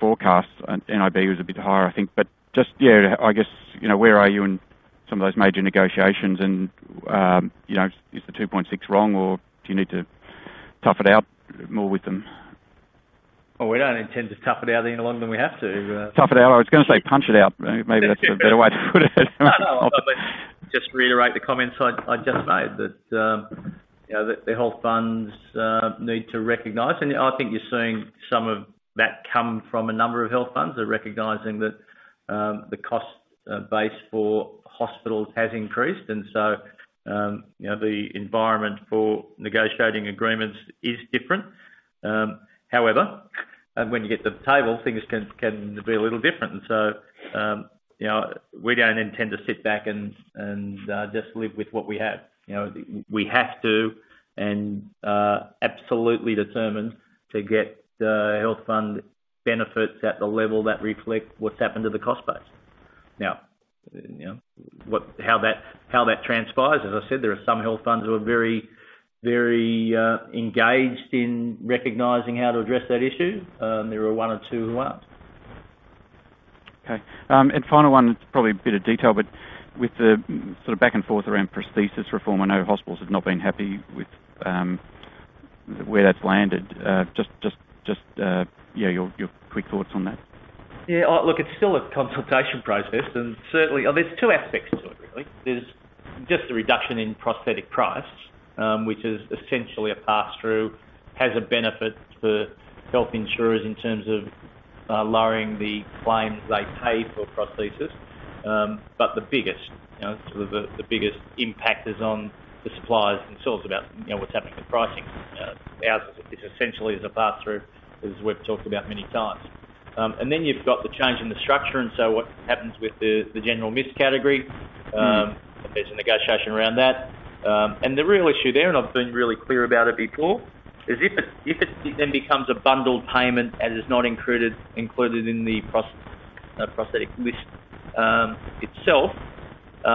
forecast. nib was a bit higher, I think. But just, yeah, I guess, you know, where are you in some of those major negotiations? And, you know, is the 2.6 wrong, or do you need to tough it out more with them? We don't intend to tough it out any longer than we have to. Tough it out, I was gonna say punch it out. Maybe that's a better way to put it. Just to reiterate the comments I just made, that, you know, that the health funds need to recognize, and I think you're seeing some of that come from a number of health funds. They're recognizing that the cost base for hospitals has increased. You know, the environment for negotiating agreements is different. When you get to the table, things can be a little different. You know, we don't intend to sit back and just live with what we have. You know, we have to, absolutely determined to get the health fund benefits at the level that reflect what's happened to the cost base. Now, you know, what, how that, how that transpires, as I said, there are some health funds who are very, very engaged in recognizing how to address that issue, there are one or two who aren't. Okay, final one, it's probably a bit of detail, but with the sort of back and forth around Prostheses List reform, I know hospitals have not been happy with, where that's landed. Just, yeah, your, your quick thoughts on that? Yeah, look, it's still a consultation process. Certainly, there's two aspects to it, really. There's just the reduction in prosthetic price, which is essentially a pass-through, has a benefit for health insurers in terms, lowering the claims they pay for prosthesis. The biggest, you know, sort of the, the biggest impact is on the suppliers and sellers about, you know, what's happening to pricing. Ours is essentially as a pass-through, as we've talked about many times. Then you've got the change in the structure, and so what happens with the, the general misc category? There's a negotiation around that. The real issue there, and I've been really clear about it before, is if it, if it then becomes a bundled payment and is not included, included in the Prostheses List itself,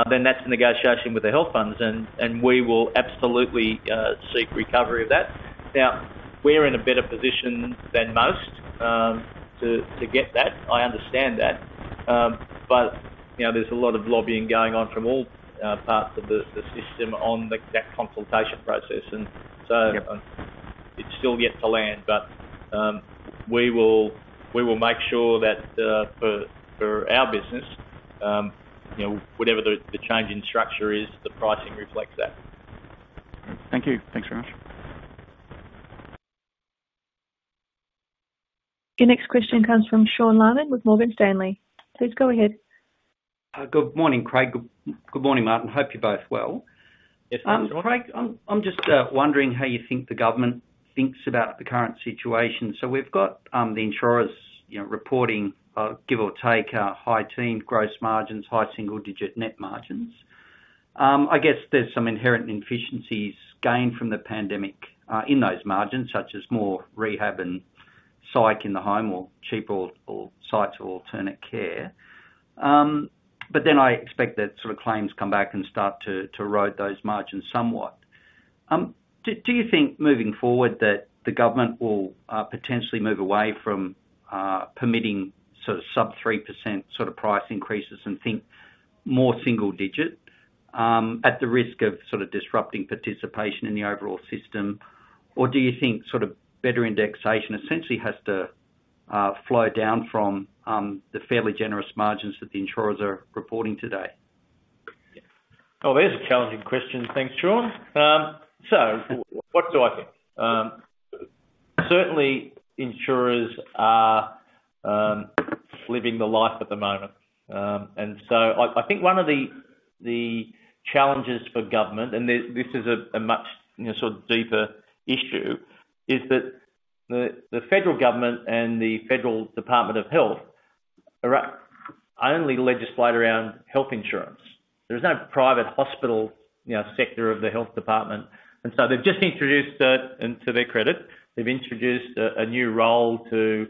then that's a negotiation with the health funds, and, and we will absolutely, seek recovery of that. We're in a better position than most, to, to get that. I understand that. You know, there's a lot of lobbying going on from all, parts of the, the system on the, that consultation process. Yep. it's still yet to land, but, we will, we will make sure that, for, for our business, you know, whatever the, the change in structure is, the pricing reflects that. Thank you. Thanks very much. Your next question comes from Sean Laaman with Morgan Stanley. Please go ahead. Good morning, Craig. Good, good morning, Martyn. Hope you're both well. Yes, Sean. Craig, I'm just wondering how you think the government thinks about the current situation. We've got the insurers, you know, reporting, give or take, high-teen gross margins, high-single-digit net margins. I guess there's some inherent inefficiencies gained from the pandemic in those margins, such as more rehab and psych in the home or cheaper or psych or alternate care. Then I expect that sort of claims come back and start to erode those margins somewhat. Do you think moving forward, that the government will potentially move away from permitting sort of sub 3% sort of price increases and think more single-digit at the risk of sort of disrupting participation in the overall system? Do you think sort of better indexation essentially has to flow down from the fairly generous margins that the insurers are reporting today? Oh, there's a challenging question. Thanks, Sean. What do I think? Certainly insurers are living the life at the moment. I, I think one of the challenges for government, and this, this is a much, you know, sort of deeper issue, is that the federal government and the federal Department of Health are only legislate around health insurance. There's no private hospital, you know, sector of the Health Department, so they've just introduced, and to their credit, they've introduced a new role to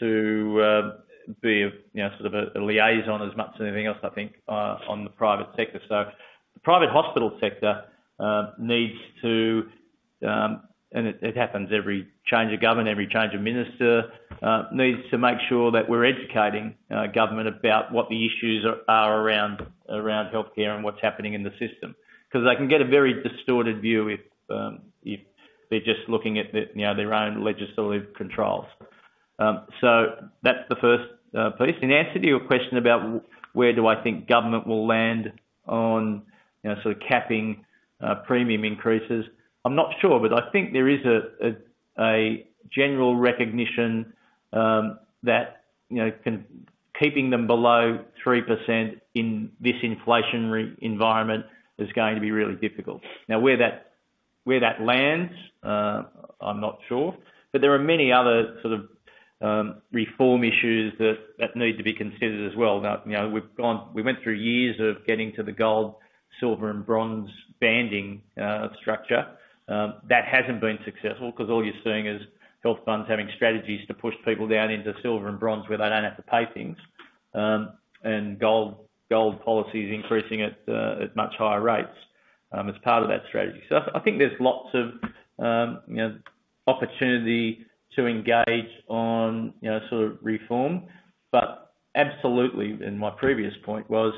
be a, you know, sort of a liaison as much as anything else, I think, on the private sector. The private hospital sector needs to, and it happens every change of government, every change of minister, needs to make sure that we're educating government about what the issues are, are around, around healthcare and what's happening in the system. 'Cause they can get a very distorted view if they're just looking at the, you know, their own legislative controls. So that's the first piece. In answer to your question about where do I think government will land on, you know, sort of capping premium increases, I'm not sure, but I think there is a, a, a general recognition that, you know, keeping them below 3% in this inflationary environment is going to be really difficult. Where that, where that lands, I'm not sure, but there are many other sort of reform issues that, that need to be considered as well. You know, we went through years of getting to the Gold, Silver, and Bronze banding structure. That hasn't been successful because all you're seeing is health funds having strategies to push people down into Silver and Bronze where they don't have to pay things. And Gold, Gold policies increasing at much higher rates as part of that strategy. I, I think there's lots of, you know, opportunity to engage on, you know, sort of reform. Absolutely, and my previous point was,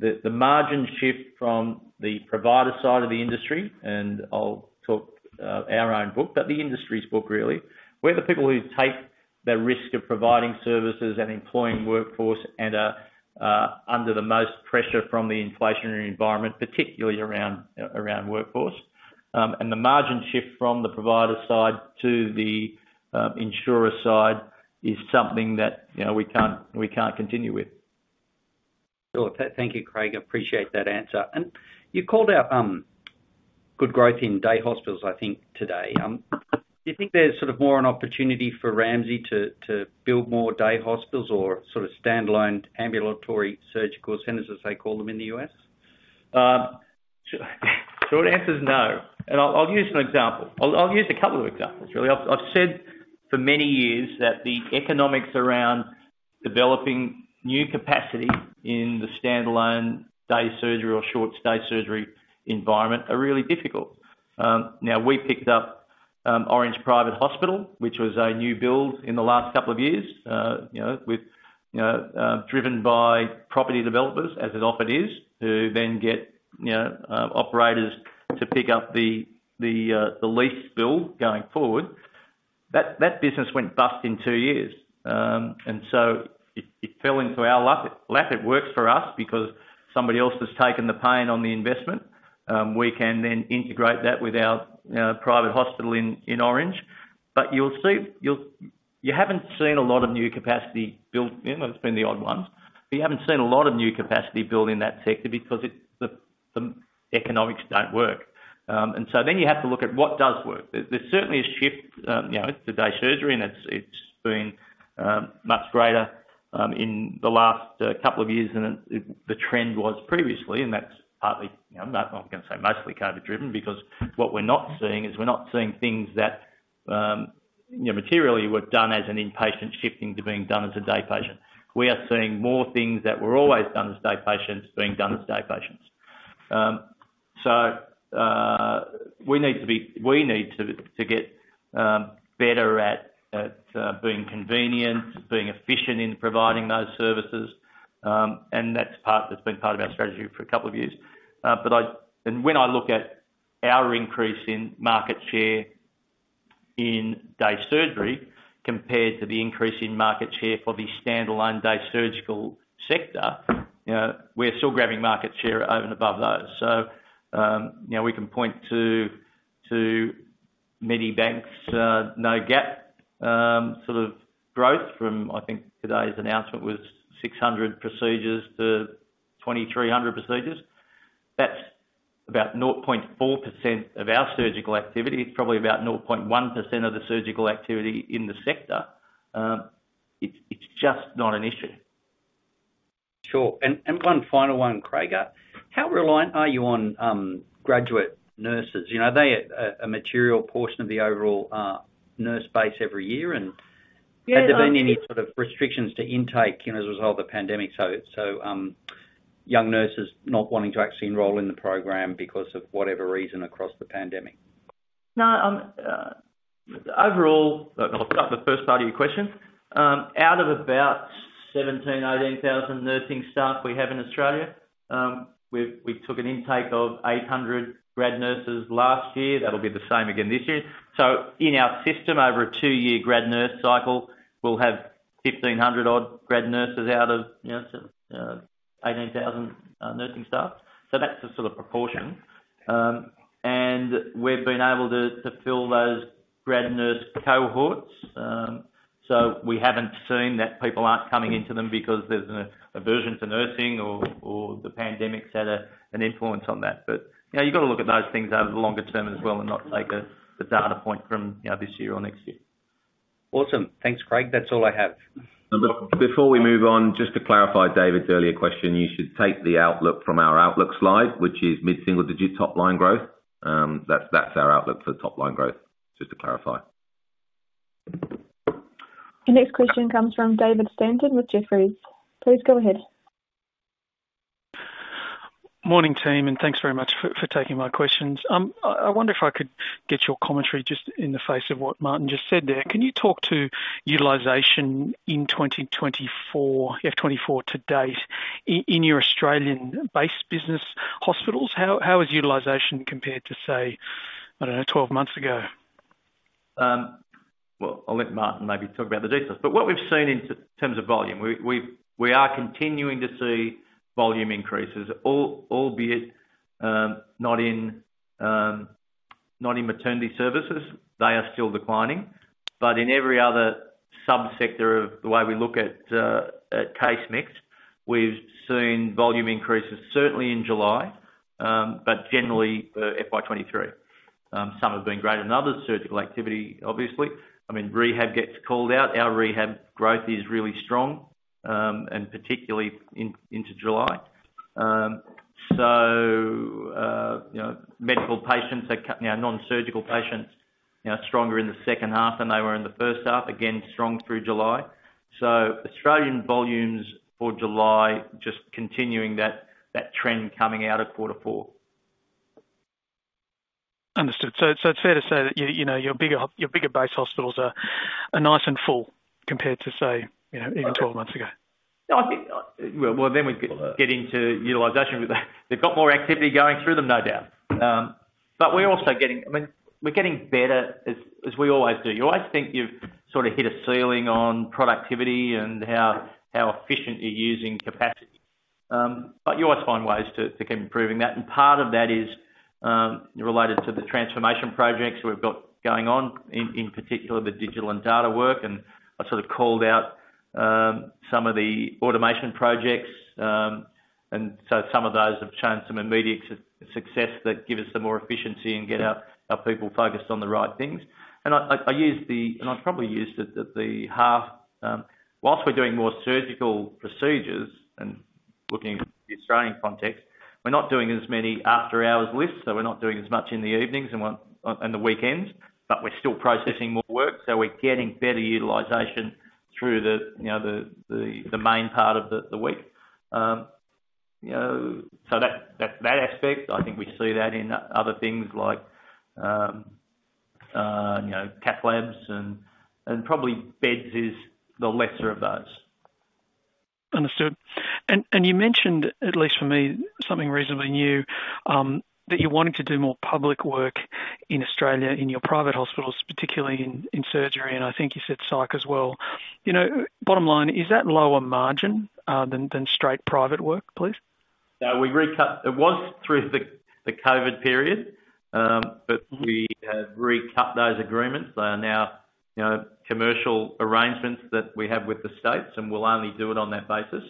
that the margin shift from the provider side of the industry, and I'll talk our own book, but the industry's book really, we're the people who take the risk of providing services and employing workforce and are under the most pressure from the inflationary environment, particularly around, around workforce. The margin shift from the provider side to the insurer side is something that, you know, we can't, we can't continue with. Sure. Thank you, Craig. I appreciate that answer. You called out good growth in day hospitals, I think today. Do you think there's sort of more an opportunity for Ramsay to, to build more day hospitals or sort of standalone ambulatory surgical centers, as they call them in the U.S.? Short answer is no, and I'll, I'll use an example. I'll, I'll use a couple of examples, really. I've, I've said for many years that the economics around developing new capacity in the standalone day surgery or short stay surgery environment are really difficult. Now, we picked up, Orange Private Hospital, which was a new build in the last couple of years, you know, with, you know, driven by property developers, as it often is, who then get, you know, operators to pick up the, the, the lease build going forward. That, that business went bust in two years. It, it fell into our lap, lap. It works for us because somebody else has taken the pain on the investment. We can then integrate that with our, our private hospital in, in Orange. You'll see, you'll-- you haven't seen a lot of new capacity built in, there's been the odd ones, but you haven't seen a lot of new capacity built in that sector because it's, the, the economics don't work. And so then you have to look at what does work. There, there's certainly a shift, you know, to day surgery, and it's, it's been much greater in the last couple of years than it, the trend was previously, and that's partly, you know, I'm gonna say mostly COVID driven, because what we're not seeing is we're not seeing things that, you know, materially were done as an inpatient shifting to being done as a day patient. We are seeing more things that were always done as day patients, being done as day patients. We need to be, we need to, to get better at, at being convenient, being efficient in providing those services, and that's part, that's been part of our strategy for a couple of years. When I look at our increase in market share in day surgery compared to the increase in market share for the standalone day surgical sector, you know, we're still grabbing market share over and above those. You know, we can point to Medibank's no gap sort of growth from, I think today's announcement was 600 procedures to 2,300 procedures. That's about 0.4% of our surgical activity. It's probably about 0.1% of the surgical activity in the sector. It's, it's just not an issue. Sure. One final one, Craig, how reliant are you on graduate nurses? You know, are they a material portion of the overall nurse base every year, and- Yeah. Has there been any sort of restrictions to intake, you know, as a result of the pandemic, so, so, young nurses not wanting to actually enroll in the program because of whatever reason across the pandemic? Overall, I'll pick up the first part of your question. Out of about 17,000, 18,000 nursing staff we have in Australia, we've, we took an intake of 800 grad nurses last year. That'll be the same again this year. In our system, over a two-year grad nurse cycle, we'll have 1,500 odd grad nurses out of, you know, 18,000 nursing staff. That's the sort of proportion. We've been able to, to fill those grad nurse cohorts. We haven't seen that people aren't coming into them because there's an aversion to nursing or, or the pandemic's had a, an influence on that. You know, you've got to look at those things over the longer term as well, not take a, the data point from, you know, this year or next year. Awesome. Thanks, Craig. That's all I have. Before we move on, just to clarify David's earlier question, you should take the outlook from our outlook slide, which is mid-single digit top line growth. That's, that's our outlook for top line growth, just to clarify. The next question comes from David Stanton with Jefferies. Please go ahead. Morning, team, and thanks very much for, for taking my questions. I, I wonder if I could get your commentary just in the face of what Martyn just said there. Can you talk to utilization in 2024, FY 2024 to date, i-in your Australian-based business hospitals? How, how is utilization compared to, say, I don't know, 12 months ago? Well, I'll let Martyn maybe talk about the details. What we've seen in terms of volume, we, we, we are continuing to see volume increases, albeit, not in, not in maternity services. They are still declining, but in every other subsector of the way we look at, at case mix, we've seen volume increases, certainly in July, but generally, FY 2023. Some have been great, and others, surgical activity, obviously. I mean, rehab gets called out. Our rehab growth is really strong, and particularly into July. You know, medical patients are, you know, nonsurgical patients, you know, stronger in the second half than they were in the first half, again, strong through July. Australian volumes for July, just continuing that, that trend coming out of Q4. Understood. So it's fair to say that, you, you know, your bigger your bigger base hospitals are, are nice and full compared to, say, you know, even 12 months ago? I think, well, then we get into utilization with that. They've got more activity going through them, no doubt. We're also getting, I mean, we're getting better, as we always do. You always think you've sort of hit a ceiling on productivity and how efficient you're using capacity, you always find ways to keep improving that. Part of that is related to the transformation projects we've got going on in particular, the digital and data work. I sort of called out some of the automation projects, so some of those have shown some immediate success that give us some more efficiency and get our people focused on the right things. I used the... I probably used it at the half. whilst we're doing more surgical procedures and looking at the Australian context, we're not doing as many after-hours lists. We're not doing as much in the evenings and one, on the weekends. We're still processing more work. We're getting better utilization through the, you know, the, the, the main part of the, the week. You know, so that, that, that aspect, I think we see that in other things like, you know, cath labs and, and probably beds is the lesser of those. Understood. And you mentioned, at least for me, something reasonably new, that you wanted to do more public work in Australia, in your private hospitals, particularly in surgery, and I think you said psych as well. You know, bottom line, is that lower margin than straight private work, please? No, we recut. It was through the COVID period, we have recut those agreements. They are now, you know, commercial arrangements that we have with the states, we'll only do it on that basis.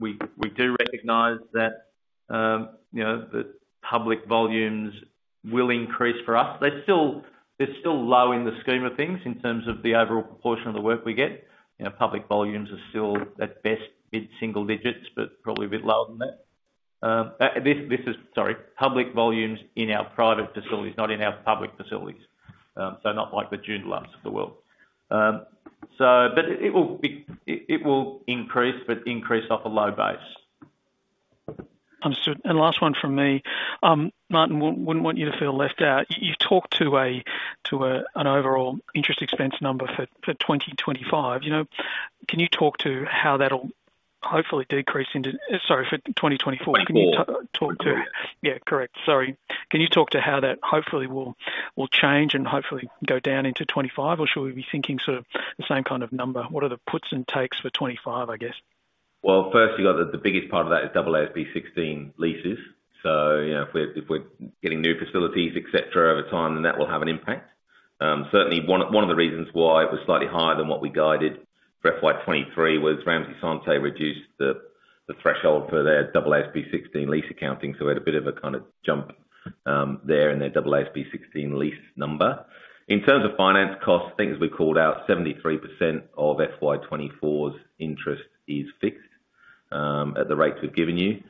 We, we do recognize that, you know, the public volumes will increase for us. They're still, they're still low in the scheme of things in terms of the overall proportion of the work we get. You know, public volumes are still, at best, mid-single digits, probably a bit lower than that. Public volumes in our private facilities, not in our public facilities. Not like the Joondalups of the world. It will increase but increase off a low base. Understood. Last one from me. Martyn, wouldn't want you to feel left out. You, you talked to a, to a, an overall interest expense number for, for 2025. You know, can you talk to how that'll hopefully decrease into... Sorry, for 2024. 2024. Yeah, correct. Sorry. Can you talk to how that hopefully will, will change and hopefully go down into 2025, or should we be thinking sort of the same kind of number? What are the puts and takes for 2025, I guess? First you got the, the biggest part of that is AASB 16 leases. You know, if we're, if we're getting new facilities, et cetera, over time, then that will have an impact. Certainly one of, one of the reasons why it was slightly higher than what we guided for FY 2023 was Ramsay Santé reduced the, the threshold for their AASB 16 lease accounting, so we had a bit of a kinda jump there in their AASB 16 lease number. In terms of finance costs, I think as we called out, 73% of FY 2024's interest is fixed at the rates we've given you.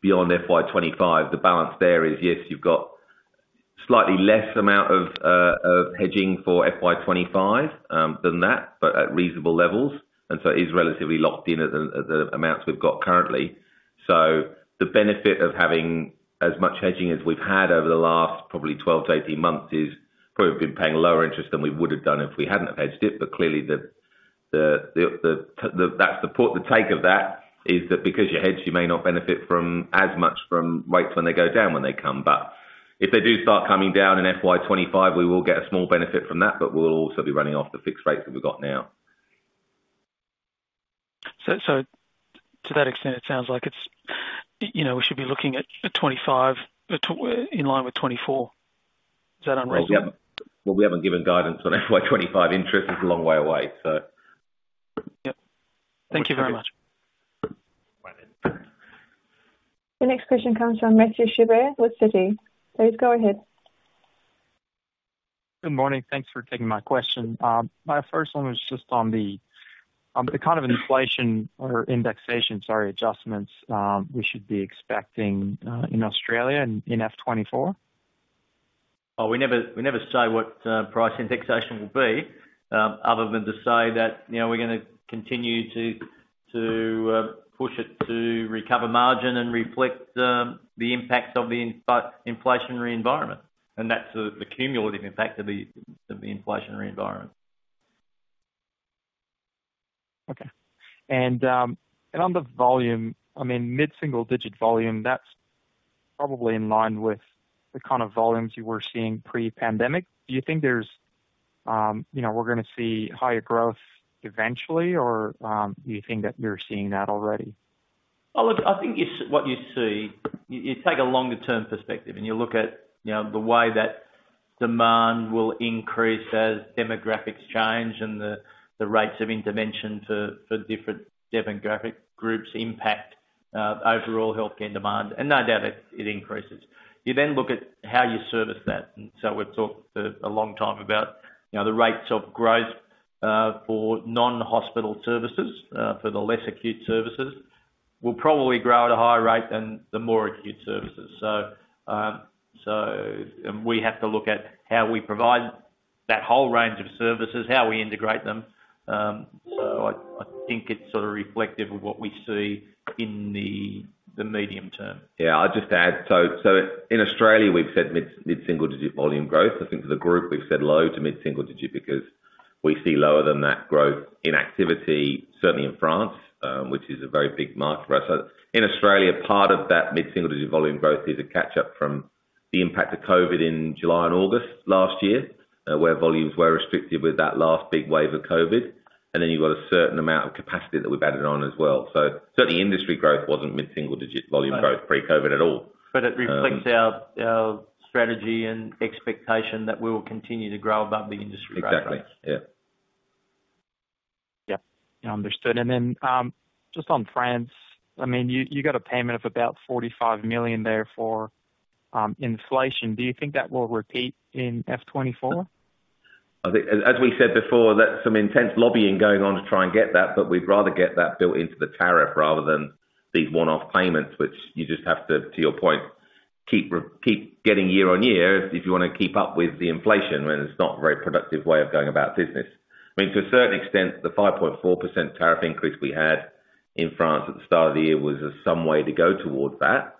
Beyond FY 2025, the balance there is, yes, you've got slightly less amount of hedging for FY 2025 than that, but at reasonable levels, it is relatively locked in at the, at the amounts we've got currently. The benefit of having as much hedging as we've had over the last probably 12-18 months is probably been paying lower interest than we would have done if we hadn't hedged it. Clearly, the, the, the, the, the, that support, the take of that is that because you hedge, you may not benefit from as much from rates when they go down, when they come. If they do start coming down in FY 2025, we will get a small benefit from that, but we'll also be running off the fixed rates that we've got now. To that extent, it sounds like it's, you know, we should be looking at, at 25, to- in line with 24. Is that unreasonable? Well, we haven't given guidance on FY 2025 interest. It's a long way away, so. Yep. Thank you very much. Bye then. The next question comes from Mathieu Chevrier with Citi. Please go ahead. Good morning. Thanks for taking my question. My first one was just on the, the kind of inflation or indexation, sorry, adjustments, we should be expecting in Australia in, in FY 2024. Oh, we never, we never say what price indexation will be, other than to say that, you know, we're gonna continue to, to push it to recover margin and reflect the impacts of the inflationary environment, and that's the, the cumulative impact of the, of the inflationary environment. Okay. On the volume, I mean, mid-single digit volume, that's probably in line with the kind of volumes you were seeing pre-pandemic. Do you think there's, you know, we're gonna see higher growth eventually, or, do you think that we're seeing that already? Oh, look, I think you what you see, you, you take a longer term perspective, and you look at, you know, the way that demand will increase as demographics change and the, the rates of intervention for, for different demographic groups impact overall healthcare demand, and no doubt it, it increases. You then look at how you service that, and so we've talked a, a long time about, you know, the rates of growth for non-hospital services, for the less acute services, will probably grow at a higher rate than the more acute services. So, and we have to look at how we provide that whole range of services, how we integrate them. I, I think it's sort of reflective of what we see in the, the medium term. Yeah, I'll just add. In Australia, we've said mid-single digit volume growth. I think for the group, we've said low to mid-single digit, because we see lower than that growth in activity, certainly in France, which is a very big market for us. In Australia, part of that mid-single digit volume growth is a catch-up from the impact of COVID in July and August last year, where volumes were restricted with that last big wave of COVID, then you've got a certain amount of capacity that we've added on as well. Certainly industry growth wasn't mid-single digit volume growth pre-COVID at all. It reflects our, our strategy and expectation that we will continue to grow above the industry growth. Exactly. Yeah. Yeah. Understood. Then, just on France, I mean, you, you got a payment of about 45 million there for inflation. Do you think that will repeat in FY 2024? I think, as, as we said before, that's some intense lobbying going on to try and get that, but we'd rather get that built into the tariff rather than these one-off payments, which you just have to, to your point, keep re- keep getting year on year if you wanna keep up with the inflation, when it's not a very productive way of going about business. I mean, to a certain extent, the 5.4% tariff increase we had in France at the start of the year was some way to go towards that.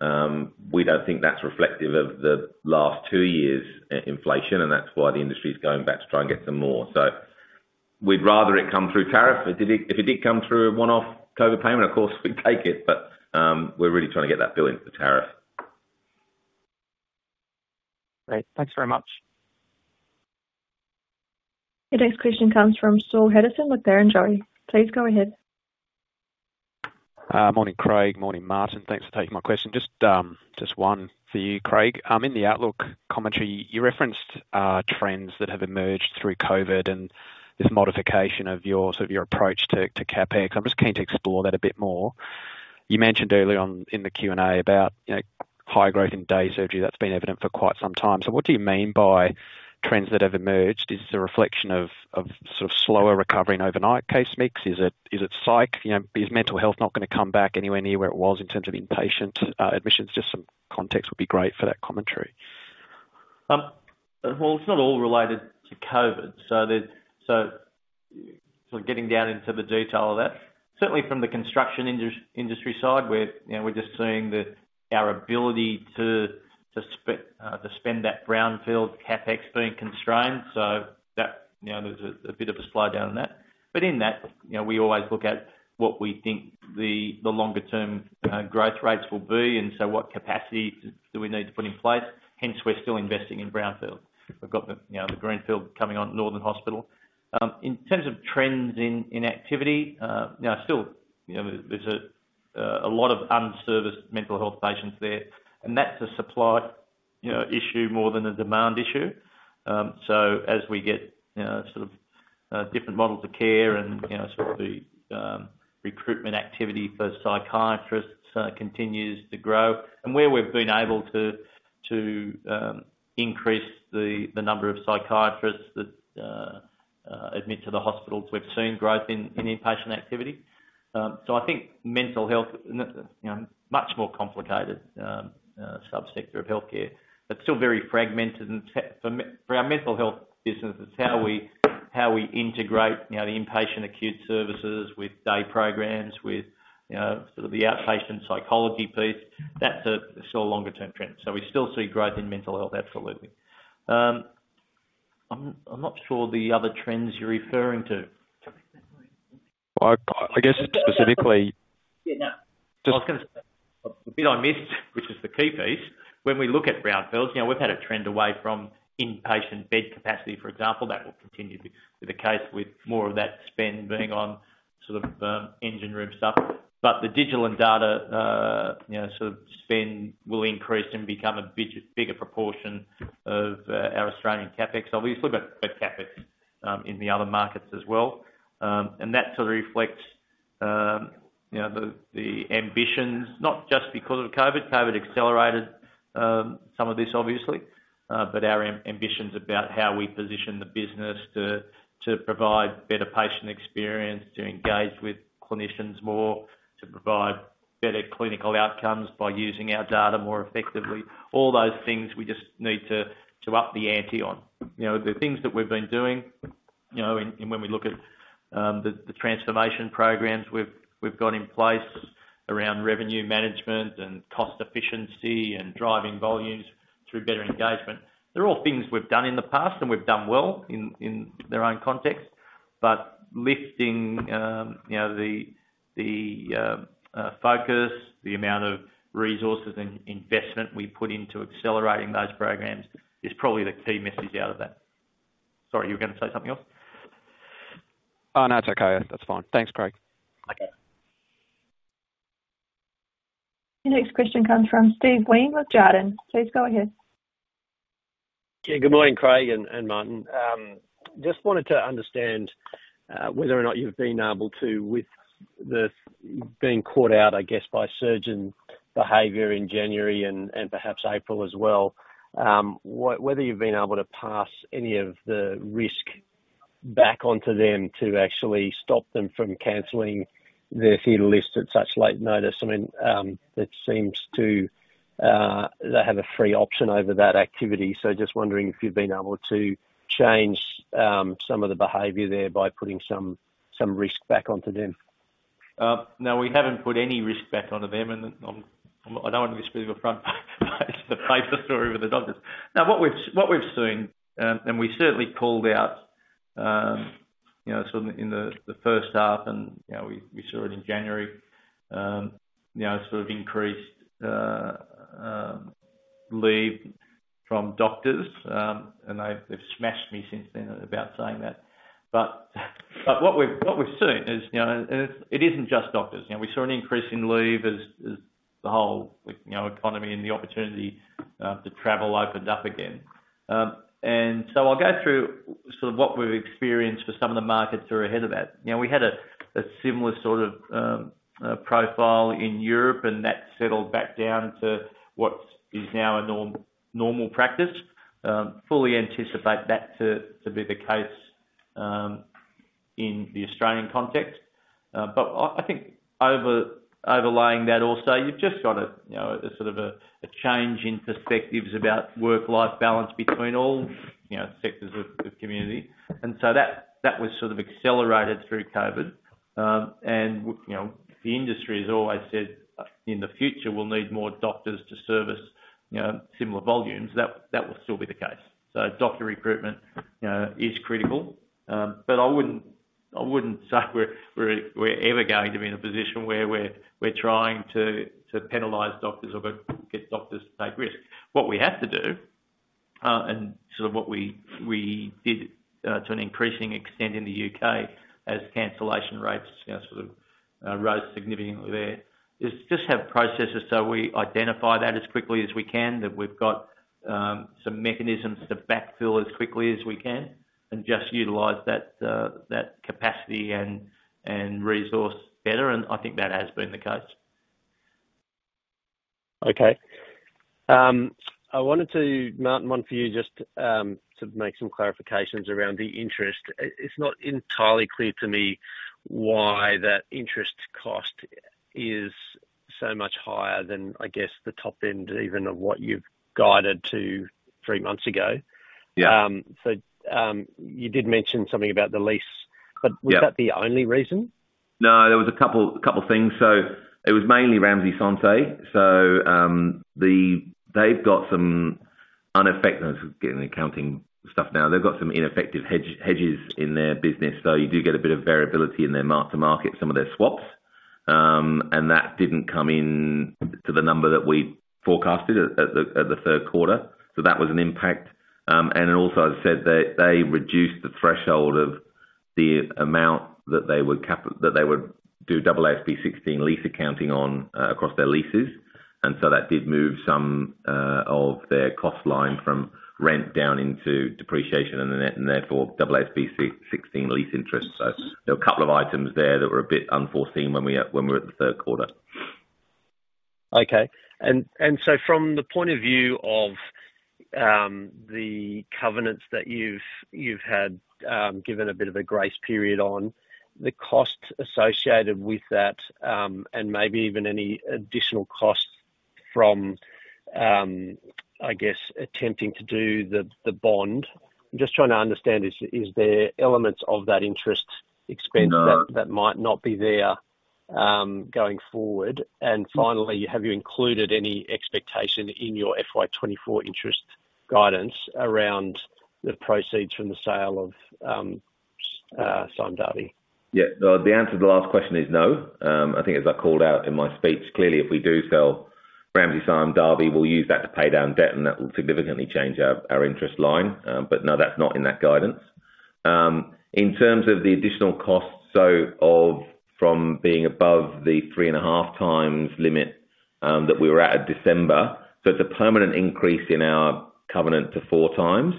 But we don't think that's reflective of the last two years' inflation, and that's why the industry's going back to try and get some more. We'd rather it come through tariffs. If it, if it did come through a one-off COVID payment, of course, we'd take it, but we're really trying to get that billing for tariff. Great. Thanks very much. The next question comes from Saul Hadassin with Barrenjoey. Please go ahead. Morning, Craig. Morning, Martyn. Thanks for taking my question. Just, just 1 for you, Craig. In the outlook commentary, you referenced trends that have emerged through COVID and this modification of your sort of your approach to, to CapEx. I'm just keen to explore that a bit more. You mentioned earlier on in the Q&A about, you know, high growth in day surgery that's been evident for quite some time. So what do you mean by trends that have emerged? Is this a reflection of, of sort of slower recovery in overnight case mix? Is it, is it psych? You know, is mental health not gonna come back anywhere near where it was in terms of inpatient admissions? Just some context would be great for that commentary. Well, it's not all related to COVID. Getting down into the detail of that, certainly from the construction industry side, we're, you know, we're just seeing that our ability to, to spend that brownfield CapEx being constrained, so that, you know, there's a bit of a slowdown in that. In that, you know, we always look at what we think the longer term growth rates will be, and so what capacity do we need to put in place, hence, we're still investing in brownfield. We've got the, you know, the greenfield coming on Northern Hospital. In terms of trends in activity, you know, still, you know, there's a lot of unserviced mental health patients there, and that's a supply, you know, issue more than a demand issue. As we get, you know, sort of different models of care and, you know, sort of the recruitment activity for psychiatrists continues to grow, and where we've been able to, to increase the, the number of psychiatrists that admit to the hospitals, we've seen growth in, in inpatient activity. I think mental health, you know, much more complicated subsector of healthcare, but still very fragmented. For our mental health businesses, how we, how we integrate, you know, the inpatient acute services with day programs, with, you know, sort of the outpatient psychology piece, that's a still a longer term trend. We still see growth in mental health, absolutely. I'm, I'm not sure the other trends you're referring to. Well, I guess specifically- I was gonna say, the bit I missed, which is the key piece, when we look at brownfields, you know, we've had a trend away from inpatient bed capacity, for example. That will continue to be the case with more of that spend being on sort of, engine room stuff. The digital and data, you know, sort of spend will increase and become a big, bigger proportion of our Australian CapEx. We've still got that CapEx in the other markets as well. That sort of reflects, you know, the, the ambitions, not just because of COVID. COVID accelerated some of this obviously, but our ambitions about how we position the business to, to provide better patient experience, to engage with clinicians more, to provide better clinical outcomes by using our data more effectively. All those things we just need to, to up the ante on. You know, the things that we've been doing, you know, and when we look at, the transformation programs we've, we've got in place around revenue management and cost efficiency and driving volumes through better engagement, they're all things we've done in the past, and we've done well in, in their own context. Lifting, you know, the focus, the amount of resources and investment we put into accelerating those programs is probably the key message out of that. Sorry, you were gonna say something else? Oh, no, it's okay. That's fine. Thanks, Craig. Okay. The next question comes from Steven Wheen with Jarden. Please go ahead. Yeah. Good morning, Craig and Martyn. Just wanted to understand whether or not you've been able to, with the being caught out, I guess, by surgeon behavior in January and, and perhaps April as well, whether you've been able to pass any of the risk back onto them to actually stop them from canceling their theater lists at such late notice? I mean, it seems to, they have a free option over that activity, so just wondering if you've been able to change, some of the behavior there by putting some, some risk back onto them. No, we haven't put any risk back onto them, and I'm, I'm, I don't want to be seen as a front, but it's the paper story with the doctors. What we've, what we've seen, and we certainly called out, you know, sort of in the, the first half, and, you know, we, we saw it in January, you know, sort of increased leave from doctors. They've, they've smashed me since then about saying that. But what we've, what we've seen is, you know, and it, it isn't just doctors. You know, we saw an increase in leave as, as the whole, you know, economy and the opportunity to travel opened up again. I'll go through sort of what we've experienced for some of the markets that are ahead of that. You know, we had a, a similar sort of profile in Europe, and that settled back down to what is now a norm- normal practice. Fully anticipate that to, to be the case in the Australian context. I, I think over- overlaying that also, you've just got a, you know, a sort of a, a change in perspectives about work-life balance between all, you know, sectors of community. That, that was sort of accelerated through COVID. You know, the industry has always said, in the future, we'll need more doctors to service, you know, similar volumes. That, that will still be the case. Doctor recruitment is critical. I wouldn't, I wouldn't say we're, we're, we're ever going to be in a position where we're, we're trying to, to penalize doctors or get, get doctors to take risks. What we have to do, and sort of what we, we did, to an increasing extent in the U.K., as cancellation rates, you know, sort of, rose significantly there, is just have processes so we identify that as quickly as we can, that we've got some mechanisms to backfill as quickly as we can, and just utilize that, that capacity and, and resource better, and I think that has been the case. I wanted to, Martyn, one for you, to make some clarifications around the interest. It's not entirely clear to me why that interest cost is so much higher than, I guess, the top end, even of what you've guided to three months ago. Yeah. you did mention something about the lease- Yeah. was that the only reason? No, there was a couple, couple things. It was mainly Ramsay Santé. They've got some ineffective. Getting accounting stuff now. They've got some ineffective hedges in their business, so you do get a bit of variability in their mark-to-market, some of their swaps. That didn't come in to the number that we forecasted at, at the, at the third quarter, so that was an impact. Then also, I said they, they reduced the threshold of the amount that they would do double AASB 16 lease accounting on, across their leases. That did move some of their cost line from rent down into depreciation, and then, and therefore, double AASB 16 lease interest. There were a couple of items there that were a bit unforeseen when we were at the third quarter. Okay. From the point of view of, the covenants that you've, you've had, given a bit of a grace period on, the costs associated with that, and maybe even any additional costs from, I guess, attempting to do the, the bond. I'm just trying to understand, is, is there elements of that interest expense- No... that, that might not be there, going forward? Finally, have you included any expectation in your FY 2024 interest guidance around the proceeds from the sale of Sime Darby? Yeah. The answer to the last question is no. I think as I called out in my speech, clearly, if we do sell Ramsay Sime Darby, we'll use that to pay down debt, and that will significantly change our, our interest line. No, that's not in that guidance. In terms of the additional costs, so of from being above the 3.5x limit, that we were at in December, it's a permanent increase in our covenant to 4x.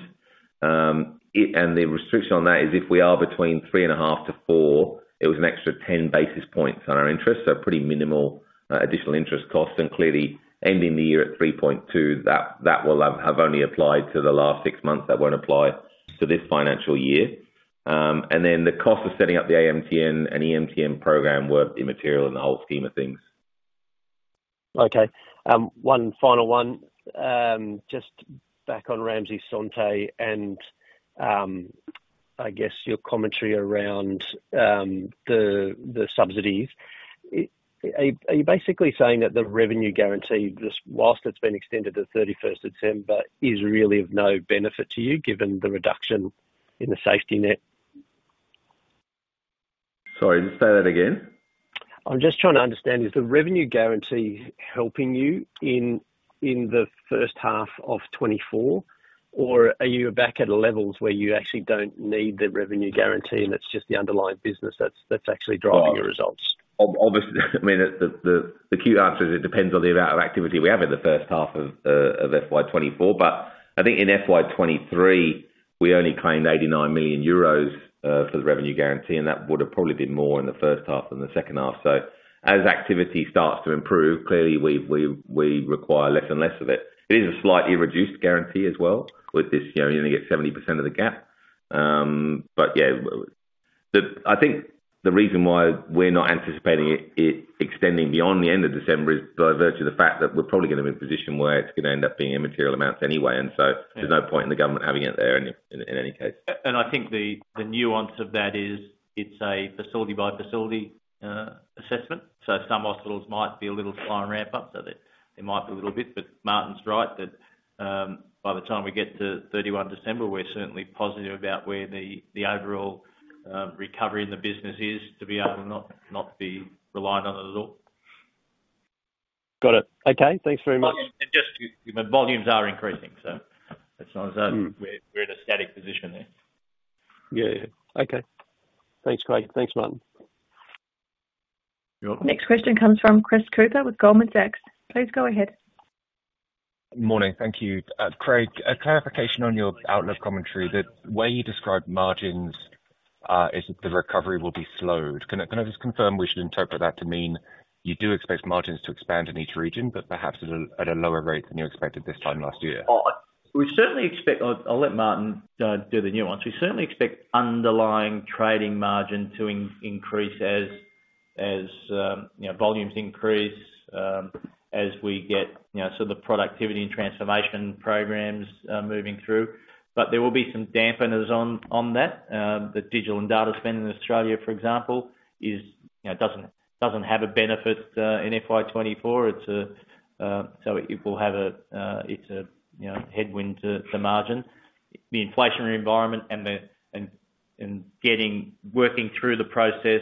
It, and the restriction on that is if we are between 3.5-4, it was an extra 10 basis points on our interest, so pretty minimal, additional interest cost, and clearly ending the year at 3.2, that will have only applied to the last six months, that won't apply to this financial year. Then the cost of setting up the AMTN and EMTN program were immaterial in the whole scheme of things. Okay. One final one. Just back on Ramsay Santé and, I guess your commentary around the, the subsidies. Are you basically saying that the revenue guarantee, just whilst it's been extended to 31st of December, is really of no benefit to you, given the reduction in the safety net? Sorry, just say that again? I'm just trying to understand, is the revenue guarantee helping you in, in the first half of 2024, or are you back at levels where you actually don't need the revenue guarantee, and it's just the underlying business that's, that's actually driving your results? Obviously, I mean, the cute answer is it depends on the amount of activity we have in the first half of FY 2024, but I think in FY 2023, we only claimed 89 million euros for the revenue guarantee, and that would have probably been more in the first half than the second half. As activity starts to improve, clearly we, we, we require less and less of it. It is a slightly reduced guarantee as well. With this, you know, you only get 70% of the gap. Yeah, I think the reason why we're not anticipating it, it extending beyond the end of December is by virtue of the fact that we're probably gonna be in a position where it's gonna end up being immaterial amounts anyway, and so- Yeah there's no point in the government having it there in, in any case. I think the, the nuance of that is it's a facility-by-facility assessment, so some hospitals might be a little slower in ramp-up, so they, they might be a little bit, but Martyn's right, that, by the time we get to 31 December, we're certainly positive about where the, the overall recovery in the business is to be able to not, not be reliant on it at all. Got it. Okay, thanks very much. Volumes are increasing, it's not as though- Mm.... we're in a static position there. Yeah. Okay. Thanks, Craig. Thanks, Martyn. You're welcome. Next question comes from Chris Cooper with Goldman Sachs. Please go ahead. Morning. Thank you. Craig, a clarification on your outlook commentary, that where you described margins, is that the recovery will be slowed. Can I, can I just confirm we should interpret that to mean you do expect margins to expand in each region, but perhaps at a, at a lower rate than you expected this time last year? Oh, we certainly expect. I'll, I'll let Martyn do the nuance. We certainly expect underlying trading margin to increase as, you know, volumes increase, as we get, you know, so the productivity and transformation programs moving through. There will be some dampeners on, on that. The digital and data spend in Australia, for example, is, you know, doesn't, doesn't have a benefit in FY 2024. It's a, so it will have a, it's a, you know, headwind to, to margin. The inflationary environment and working through the process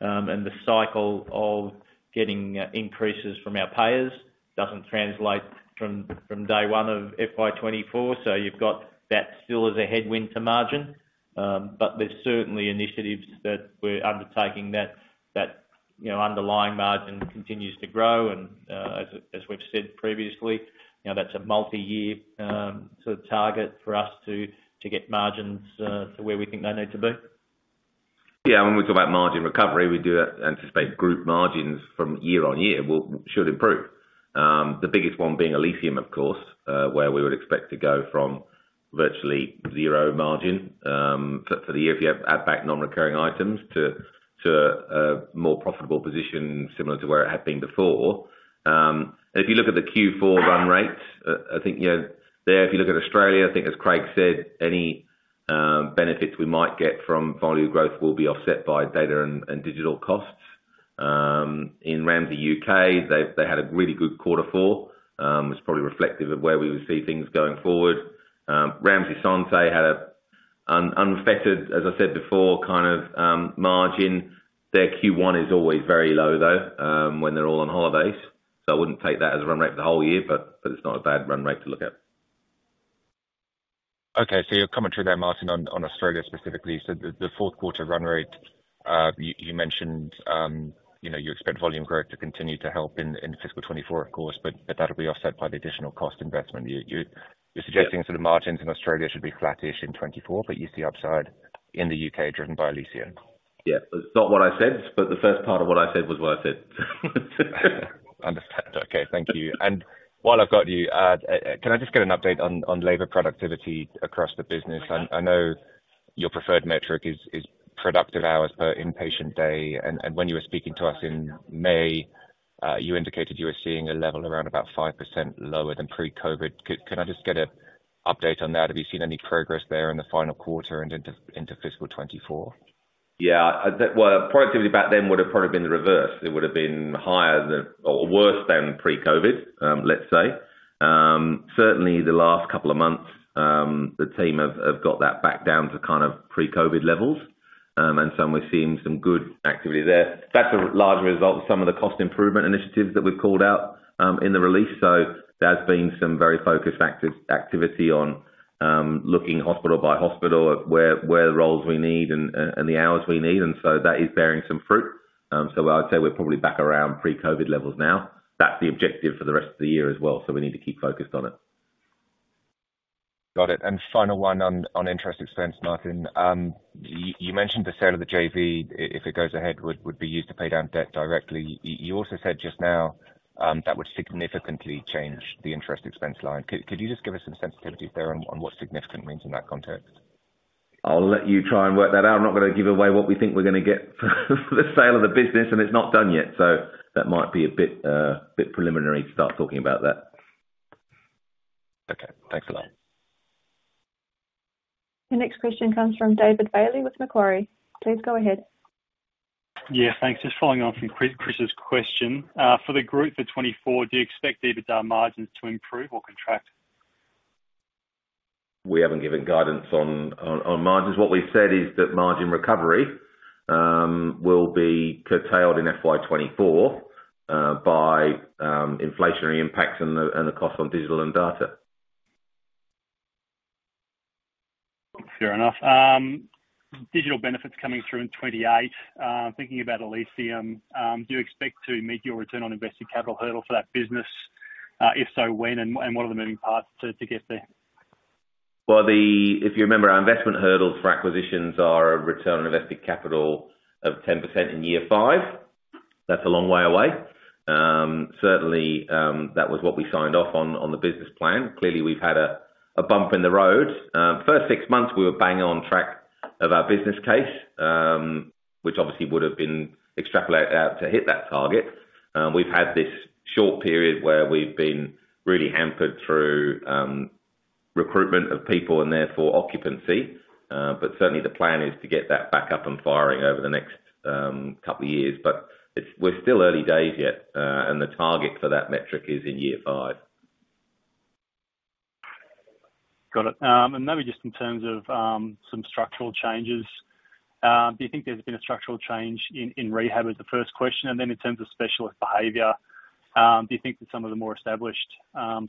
and the cycle of getting increases from our payers doesn't translate from, from day one of FY 2024, so you've got that still as a headwind to margin. There's certainly initiatives that we're undertaking that, that, you know, underlying margin continues to grow. As, as we've said previously, you know, that's a multi-year, sort of target for us to, to get margins, to where we think they need to be. Yeah, when we talk about margin recovery, we do anticipate group margins from year-on-year should improve. The biggest one being Elysium, of course, where we would expect to go from virtually zero margin for the year, if you add back non-recurring items, to a more profitable position similar to where it had been before. If you look at the Q4 run rates, I think, you know, there, if you look at Australia, I think as Craig said, any benefits we might get from volume growth will be offset by data and digital costs. In Ramsay U.K., they had a really good Quarter Four, it's probably reflective of where we would see things going forward. Ramsay Santé had a unaffected, as I said before, kind of margin. Their Q1 is always very low, though, when they're all on holidays. I wouldn't take that as a run rate for the whole year, but, but it's not a bad run rate to look at. Okay, so your commentary there, Martyn, on Australia specifically. The fourth quarter run rate, you mentioned, you know, you expect volume growth to continue to help in fiscal 2024, of course, but that'll be offset by the additional cost investment. You, you're suggesting sort of margins in Australia should be flattish in 2024, but you see upside in the UK driven by Elysium? Yeah. That's not what I said, but the first part of what I said was what I said. Understand. Okay, thank you. While I've got you, can I just get an update on labor productivity across the business? I know your preferred metric is productive hours per inpatient day, when you were speaking to us in May, you indicated you were seeing a level around about 5% lower than pre-COVID. Can I just get an update on that? Have you seen any progress there in the final quarter and into fiscal 2024? Yeah. Well, productivity back then would have probably been the reverse. It would have been higher than or worse than pre-COVID, let's say. Certainly the last couple of months, the team have got that back down to kind of pre-COVID levels. So we're seeing some good activity there. That's a large result of some of the cost improvement initiatives that we've called out in the release. There's been some very focused activity on looking hospital by hospital, at where the roles we need and the hours we need, and so that is bearing some fruit. I would say we're probably back around pre-COVID levels now. That's the objective for the rest of the year as well, so we need to keep focused on it. Got it. Final one on, on interest expense, Martyn. You mentioned the sale of the JV, if it goes ahead, would be used to pay down debt directly. You also said just now that would significantly change the interest expense line. Could you just give us some sensitivities there on, on what significant means in that context? I'll let you try and work that out. I'm not gonna give away what we think we're gonna get for the sale of the business, and it's not done yet, so that might be a bit, bit preliminary to start talking about that. Okay. Thanks a lot. The next question comes from David Bailey with Macquarie. Please go ahead. Yeah, thanks. Just following on from Chris, Chris's question, for the group for 2024, do you expect EBITDA margins to improve or contract? We haven't given guidance on, on, on margins. What we've said is that margin recovery will be curtailed in FY 2024 by inflationary impacts and the, and the cost on digital and data. Fair enough. Digital benefits coming through in 2028. Thinking about Elysium, do you expect to meet your Return on Invested Capital hurdle for that business? If so, when and what are the moving parts to get there? Well, the if you remember, our investment hurdles for acquisitions are a Return on Invested Capital of 10% in year five. That's a long way away. Certainly, that was what we signed off on, on the business plan. Clearly, we've had a bump in the road. First six months we were bang on track of our business case, which obviously would have been extrapolated out to hit that target. We've had this short period where we've been really hampered through recruitment of people and therefore occupancy. Certainly the plan is to get that back up and firing over the next couple of years. We're still early days yet, and the target for that metric is in year five. just in terms of some structural changes, do you think there's been a structural change in rehab, as the 1st question? And then in terms of specialist behavior, do you think that some of the more established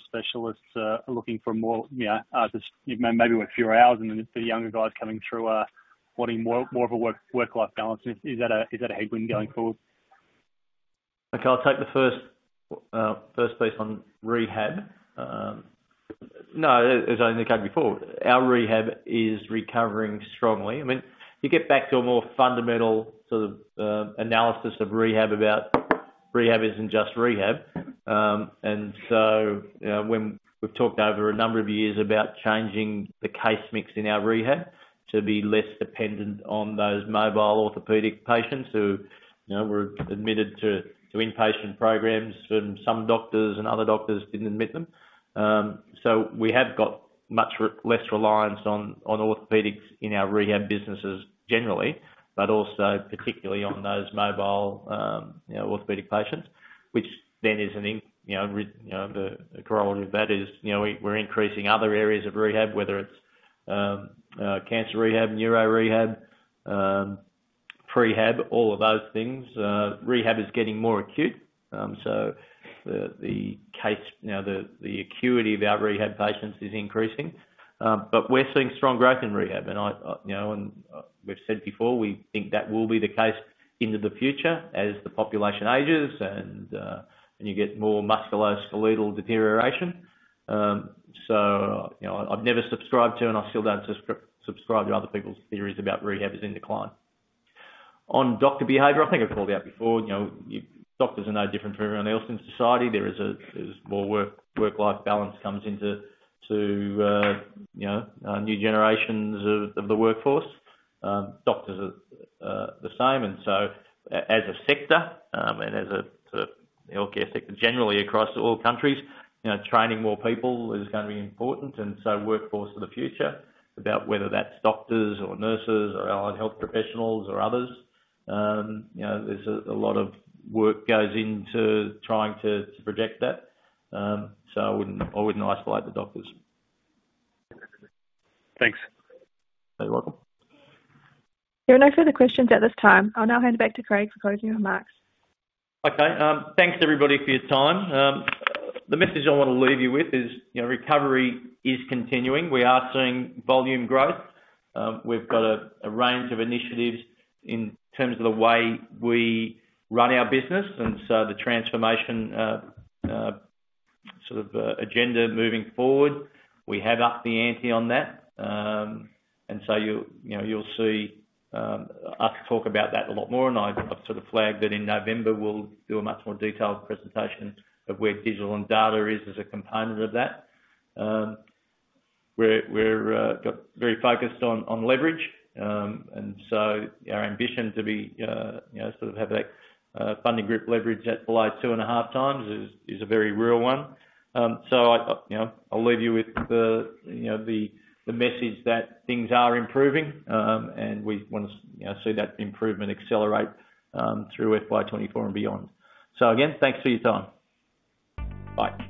specialists are looking for more, you know, just maybe want fewer hours, and then the younger guys coming through are wanting more, more of a work-life balance? Is that a, is that a headwind going forward? Okay, I'll take the first first piece on rehab. No, as I indicated before, our rehab is recovering strongly. I mean, you get back to a more fundamental sort of analysis of rehab. Rehab isn't just rehab. So, when we've talked over a number of years about changing the case mix in our rehab to be less dependent on those mobile orthopedic patients who, you know, were admitted to, to inpatient programs, and some doctors and other doctors didn't admit them. We have got much less reliance on orthopedics in our rehab businesses generally, but also particularly on those mobile, you know, orthopedic patients, which then is an in, you know, the corollary of that is, you know, we're increasing other areas of rehab, whether it's cancer rehab, neuro rehab, prehab, all of those things. Rehab is getting more acute, the case, you know, the acuity of our rehab patients is increasing. We're seeing strong growth in rehab, and I, I, you know, and we've said before, we think that will be the case into the future as the population ages and, and you get more musculoskeletal deterioration. You know, I've never subscribed to, and I still don't subscribe to other people's theories about rehab is in decline. On doctor behavior, I think I've called out before, you know, you, doctors are no different from everyone else in society. There's more work, work-life balance comes into to, you know, new generations of the workforce. Doctors are the same, as a sector, and as a sort of healthcare sector, generally across all countries, you know, training more people is gonna be important, and so workforce of the future, about whether that's doctors or nurses or allied health professionals or others, you know, there's a lot of work goes into trying to project that. I wouldn't, I wouldn't isolate the doctors. Thanks. You're welcome. There are no further questions at this time. I'll now hand it back to Craig for closing remarks. Okay, thanks everybody for your time. The message I want to leave you with is, you know, recovery is continuing. We are seeing volume growth. We've got a range of initiatives in terms of the way we run our business, and so the transformation agenda moving forward, we have upped the ante on that. You'll, you know, you'll see us talk about that a lot more, and I, I've sort of flagged that in November, we'll do a much more detailed presentation of where digital and data is as a component of that. We're very focused on leverage, our ambition to be, you know, sort of have that Funding Group leverage at below 2.5x is a very real one. I, you know, I'll leave you with the, you know, the, the message that things are improving, and we want to you know, see that improvement accelerate, through FY 2024 and beyond. Again, thanks for your time. Bye.